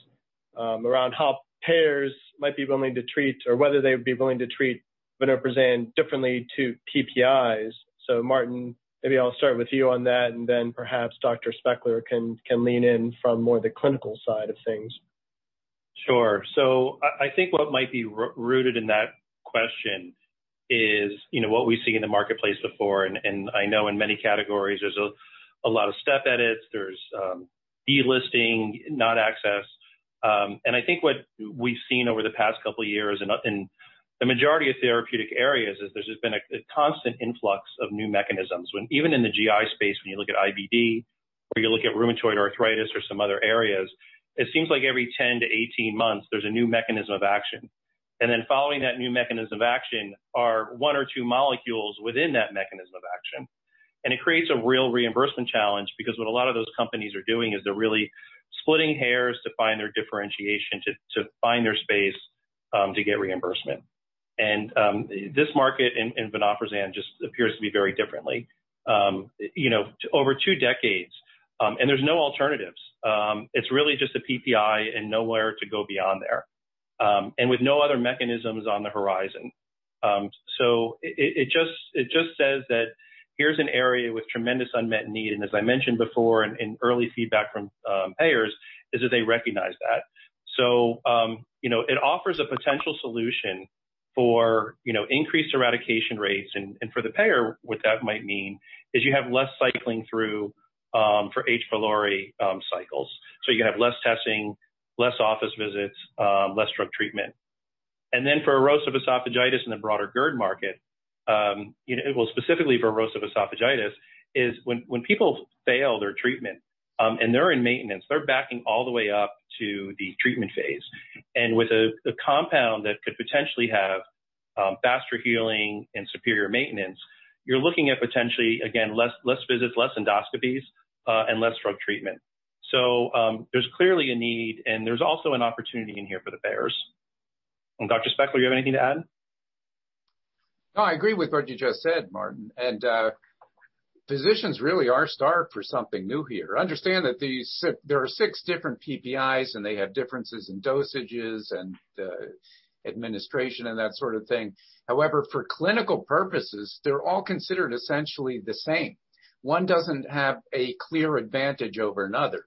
around how payers might be willing to treat or whether they would be willing to treat vonoprazan differently to PPIs. Martin, maybe I'll start with you on that, perhaps Dr. Spechler can lean in from more the clinical side of things. Sure. I think what might be rooted in that question is what we've seen in the marketplace before, and I know in many categories there's a lot of step edits. There's delisting, not access. I think what we've seen over the past couple of years in the majority of therapeutic areas is there's just been a constant influx of new mechanisms. Even in the GI space, when you look at IBD or you look at rheumatoid arthritis or some other areas, it seems like every 10 to 18 months, there's a new mechanism of action. Then following that new mechanism of action are one or two molecules within that mechanism of action. It creates a real reimbursement challenge because what a lot of those companies are doing is they're really splitting hairs to find their differentiation, to find their space to get reimbursement. This market in vonoprazan just appears to be very differently. Over two decades, there's no alternatives. It's really just a PPI and nowhere to go beyond there, and with no other mechanisms on the horizon. It just says that here's an area with tremendous unmet need, and as I mentioned before in early feedback from payers, is that they recognize that. It offers a potential solution for increased eradication rates. For the payer, what that might mean is you have less cycling through for H. pylori cycles. You can have less testing, less office visits, less drug treatment. For erosive esophagitis and the broader GERD market, well, specifically for erosive esophagitis, is when people fail their treatment, and they're in maintenance, they're backing all the way up to the treatment phase. With a compound that could potentially have faster healing and superior maintenance, you're looking at potentially, again, less visits, less endoscopies, and less drug treatment. There's clearly a need, and there's also an opportunity in here for the payers. Dr. Spechler, you have anything to add? No, I agree with what you just said, Martin. Physicians really are starved for something new here. Understand that there are six different PPIs, and they have differences in dosages and administration and that sort of thing. However, for clinical purposes, they're all considered essentially the same. One doesn't have a clear advantage over another.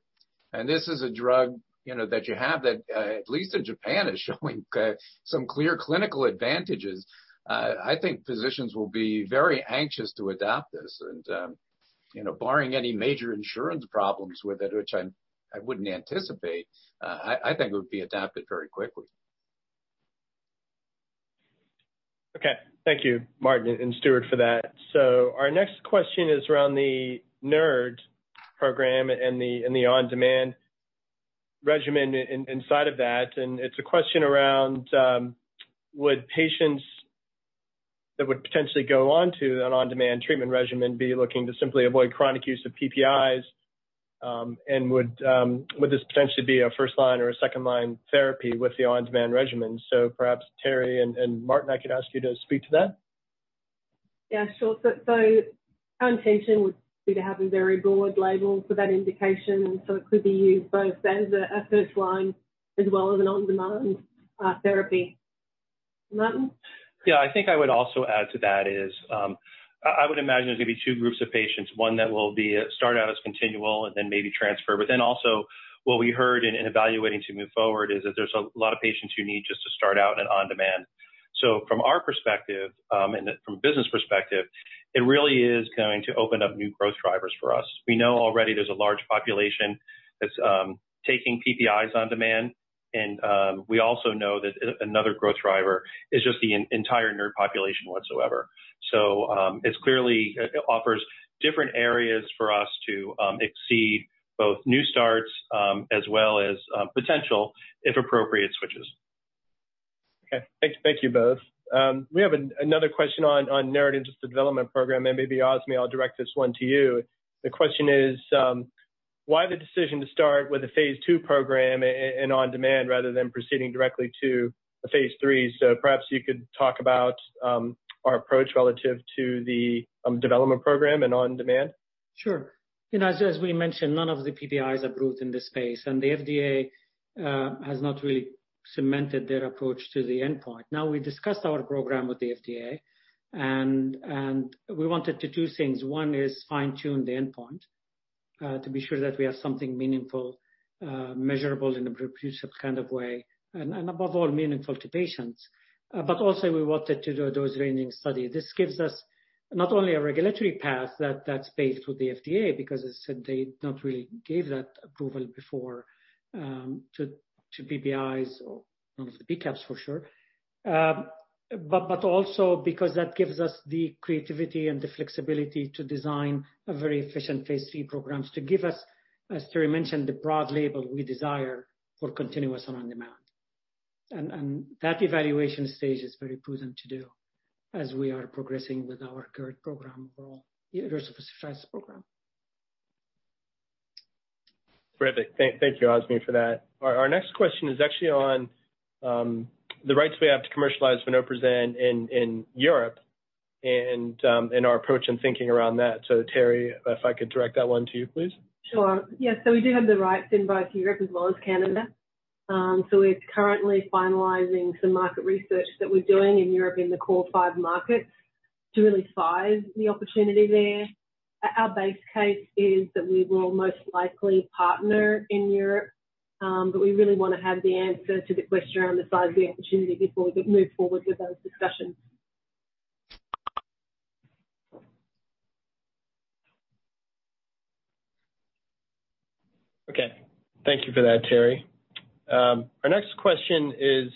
This is a drug that you have that at least in Japan is showing some clear clinical advantages. I think physicians will be very anxious to adopt this. Barring any major insurance problems with it, which I wouldn't anticipate, I think it would be adapted very quickly. Okay. Thank you, Martin and Stuart, for that. Our next question is around the NERD program and the on-demand regimen inside of that, and it's a question around would patients that would potentially go on to an on-demand treatment regimen be looking to simply avoid chronic use of PPIs? Would this potentially be a first-line or a second-line therapy with the on-demand regimen? Perhaps Terrie and Martin, I could ask you to speak to that. Yeah, sure. Our intention would be to have a very broad label for that indication, it could be used both as a first-line as well as an on-demand therapy. Martin? I think I would also add to that is, I would imagine there's going to be two groups of patients, one that will start out as continual and then maybe transfer. Also what we heard in evaluating to move forward is that there's a lot of patients who need just to start out in on-demand. From our perspective, and from business perspective, it really is going to open up new growth drivers for us. We know already there's a large population that's taking PPIs on demand. We also know that another growth driver is just the entire NERD population whatsoever. It clearly offers different areas for us to exceed both new starts as well as potential, if appropriate, switches. Okay. Thank you both. We have another question on NERD development program. Maybe Azmi, I'll direct this one to you. The question is, why the decision to start with a phase II program and on demand rather than proceeding directly to a phase III? Perhaps you could talk about our approach relative to the development program and on demand. As we mentioned, none of the PPIs approved in this space, and the FDA has not really cemented their approach to the endpoint. We discussed our program with the FDA, and we wanted to do two things. One is fine-tune the endpoint, to be sure that we have something meaningful, measurable in a reproducible kind of way, and above all, meaningful to patients. Also, we wanted to do a dose-ranging study. This gives us not only a regulatory path that's based with the FDA, because as I said, they not really gave that approval before to PPIs or none of the PCABs for sure. Also, because that gives us the creativity and the flexibility to design a very efficient phase III programs to give us, as Terrie mentioned, the broad label we desire for continuous and on-demand. That evaluation stage is very prudent to do as we are progressing with our current program for all erosive esophagitis program. Terrific. Thank you, Azmi, for that. Our next question is actually on the rights we have to commercialize vonoprazan in Europe and our approach and thinking around that. Terrie, if I could direct that one to you, please. Sure. Yeah. We do have the rights in both Europe as well as Canada. We're currently finalizing some market research that we're doing in Europe in the core five markets to really size the opportunity there. Our base case is that we will most likely partner in Europe, but we really want to have the answer to the question around the size of the opportunity before we move forward with those discussions. Okay. Thank you for that, Terrie. Our next question is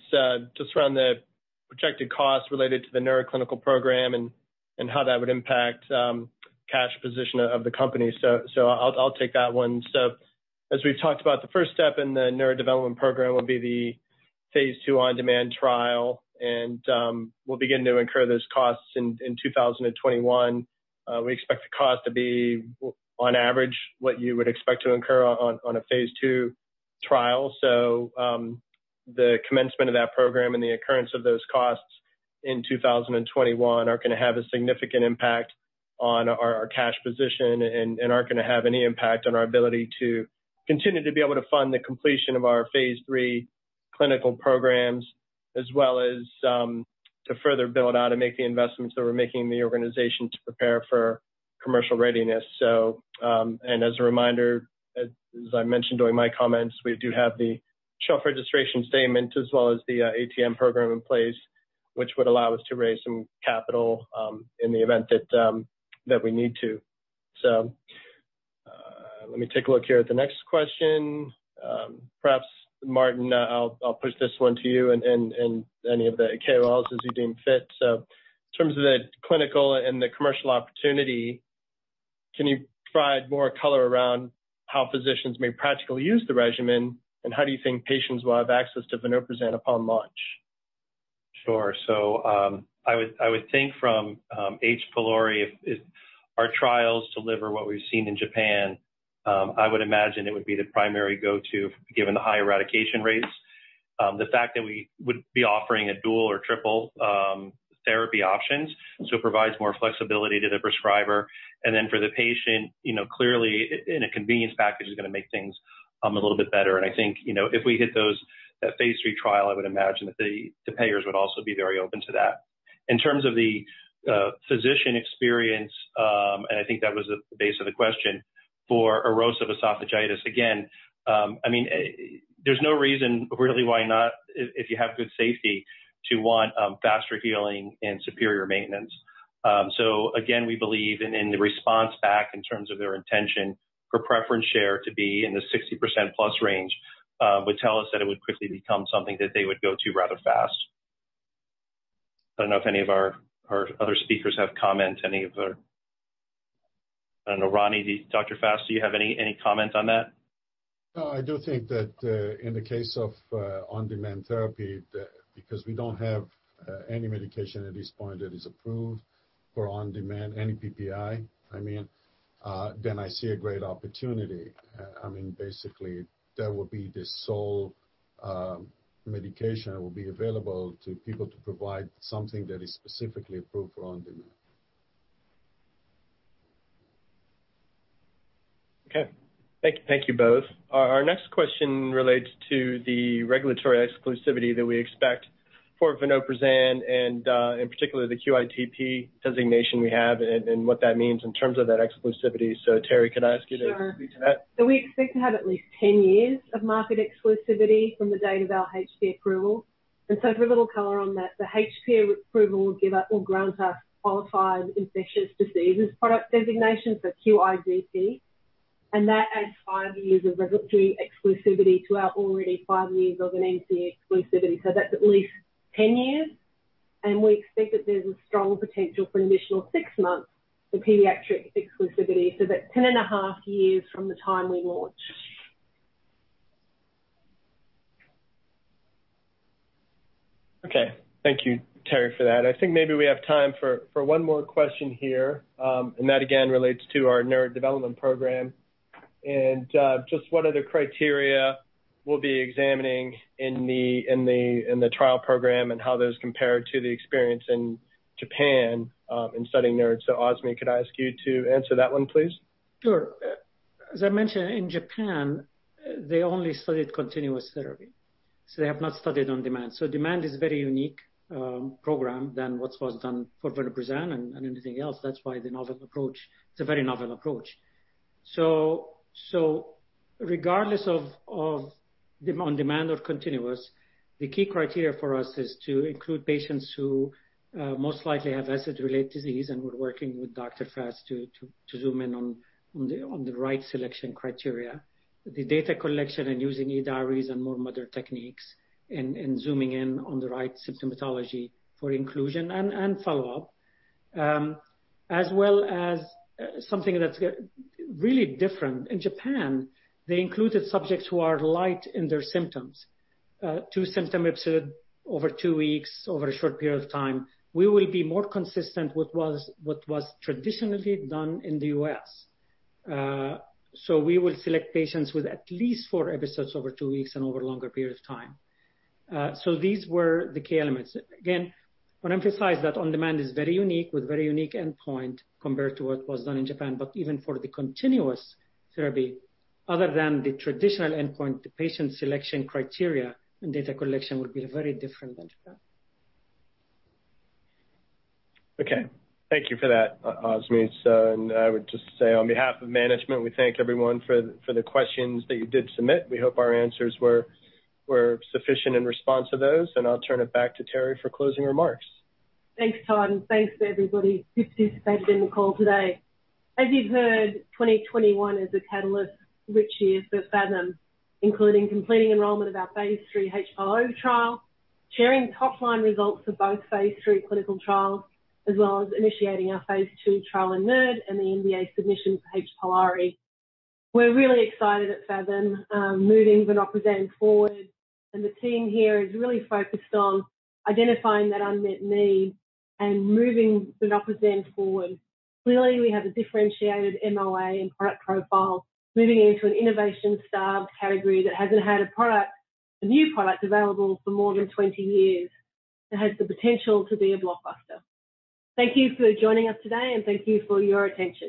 just around the projected cost related to the NERD clinical program and how that would impact cash position of the company. I'll take that one. As we've talked about, the first step in the NERD development program will be the phase II on-demand trial, and we'll begin to incur those costs in 2021. We expect the cost to be, on average, what you would expect to incur on a phase II trial. The commencement of that program and the occurrence of those costs in 2021 are going to have a significant impact on our cash position and aren't going to have any impact on our ability to continue to be able to fund the completion of our phase III clinical programs as well as to further build out and make the investments that we're making in the organization to prepare for commercial readiness. As a reminder, as I mentioned during my comments, we do have the shelf registration statement as well as the ATM program in place, which would allow us to raise some capital in the event that we need to. Let me take a look here at the next question. Perhaps Martin, I'll push this one to you and any of the KOLs as you deem fit. In terms of the clinical and the commercial opportunity, can you provide more color around how physicians may practically use the regimen, and how do you think patients will have access to vonoprazan upon launch? Sure. I would think from H. pylori, if our trials deliver what we've seen in Japan, I would imagine it would be the primary go-to given the high eradication rates. The fact that we would be offering a dual or triple therapy options, so it provides more flexibility to the prescriber and then for the patient, clearly in a convenience package is going to make things a little bit better. I think, if we hit those at phase III trial, I would imagine that the payers would also be very open to that. In terms of the physician experience, and I think that was the base of the question for erosive esophagitis, again, there's no reason really why not, if you have good safety, to want faster healing and superior maintenance. Again, we believe in the response back in terms of their intention for preference share to be in the 60% plus range, would tell us that it would quickly become something that they would go to rather fast. I don't know if any of our other speakers have comments, any of our I don't know, Ronnie, Dr. Fass, do you have any comments on that? I do think that in the case of on-demand therapy, because we don't have any medication at this point that is approved for on-demand, any PPI, I mean, then I see a great opportunity. Basically, that will be the sole medication that will be available to people to provide something that is specifically approved for on-demand. Okay. Thank you both. Our next question relates to the regulatory exclusivity that we expect for vonoprazan and in particular, the QIDP designation we have and what that means in terms of that exclusivity. Terrie, could I ask you to speak to that? Sure. We expect to have at least 10 years of market exclusivity from the date of our H. pylori approval. For a little color on that, the H. pylori approval will give us or grant us Qualified Infectious Disease Product designation, so QIDP. That adds five years of regulatory exclusivity to our already five years of an NCE exclusivity. That's at least 10 years. We expect that there's a strong potential for an additional six months for pediatric exclusivity. That's 10 and a half years from the time we launch. Okay. Thank you, Terrie, for that. I think maybe we have time for one more question here. That again relates to our NERD development program and just what other criteria we'll be examining in the trial program and how those compare to the experience in Japan, in studying there. Azmi, could I ask you to answer that one, please? Sure. As I mentioned, in Japan, they only studied continuous therapy. They have not studied on-demand. Demand is very unique program than what was done for vonoprazan and anything else. That's why the novel approach. It's a very novel approach. Regardless of on-demand or continuous, the key criteria for us is to include patients who most likely have acid-related disease, and we're working with Dr. Fass to zoom in on the right selection criteria. The data collection and using e-diaries and more modern techniques and zooming in on the right symptomatology for inclusion and follow-up, as well as something that's really different. In Japan, they included subjects who are light in their symptoms. Two symptom episodes over two weeks, over a short period of time. We will be more consistent with what was traditionally done in the U.S. We will select patients with at least four episodes over two weeks and over a longer period of time. These were the key elements. Again, I want to emphasize that on-demand is very unique with very unique endpoint compared to what was done in Japan. Even for the continuous therapy, other than the traditional endpoint, the patient selection criteria and data collection would be very different than Japan. Okay. Thank you for that, Azmi. I would just say on behalf of management, we thank everyone for the questions that you did submit. We hope our answers were sufficient in response to those, and I'll turn it back to Terrie for closing remarks. Thanks, Todd, and thanks to everybody who participated in the call today. As you've heard, 2021 is a catalyst rich year for Phathom, including completing enrollment of our phase III H. pylori trial, sharing top-line results for both phase III clinical trials, as well as initiating our phase II trial in NERD and the NDA submission for H. pylori. We're really excited at Phathom, moving vonoprazan forward, and the team here is really focused on identifying that unmet need and moving vonoprazan forward. Clearly, we have a differentiated MOA and product profile moving into an innovation-starved category that hasn't had a product, a new product, available for more than 20 years. It has the potential to be a blockbuster. Thank you for joining us today, and thank you for your attention.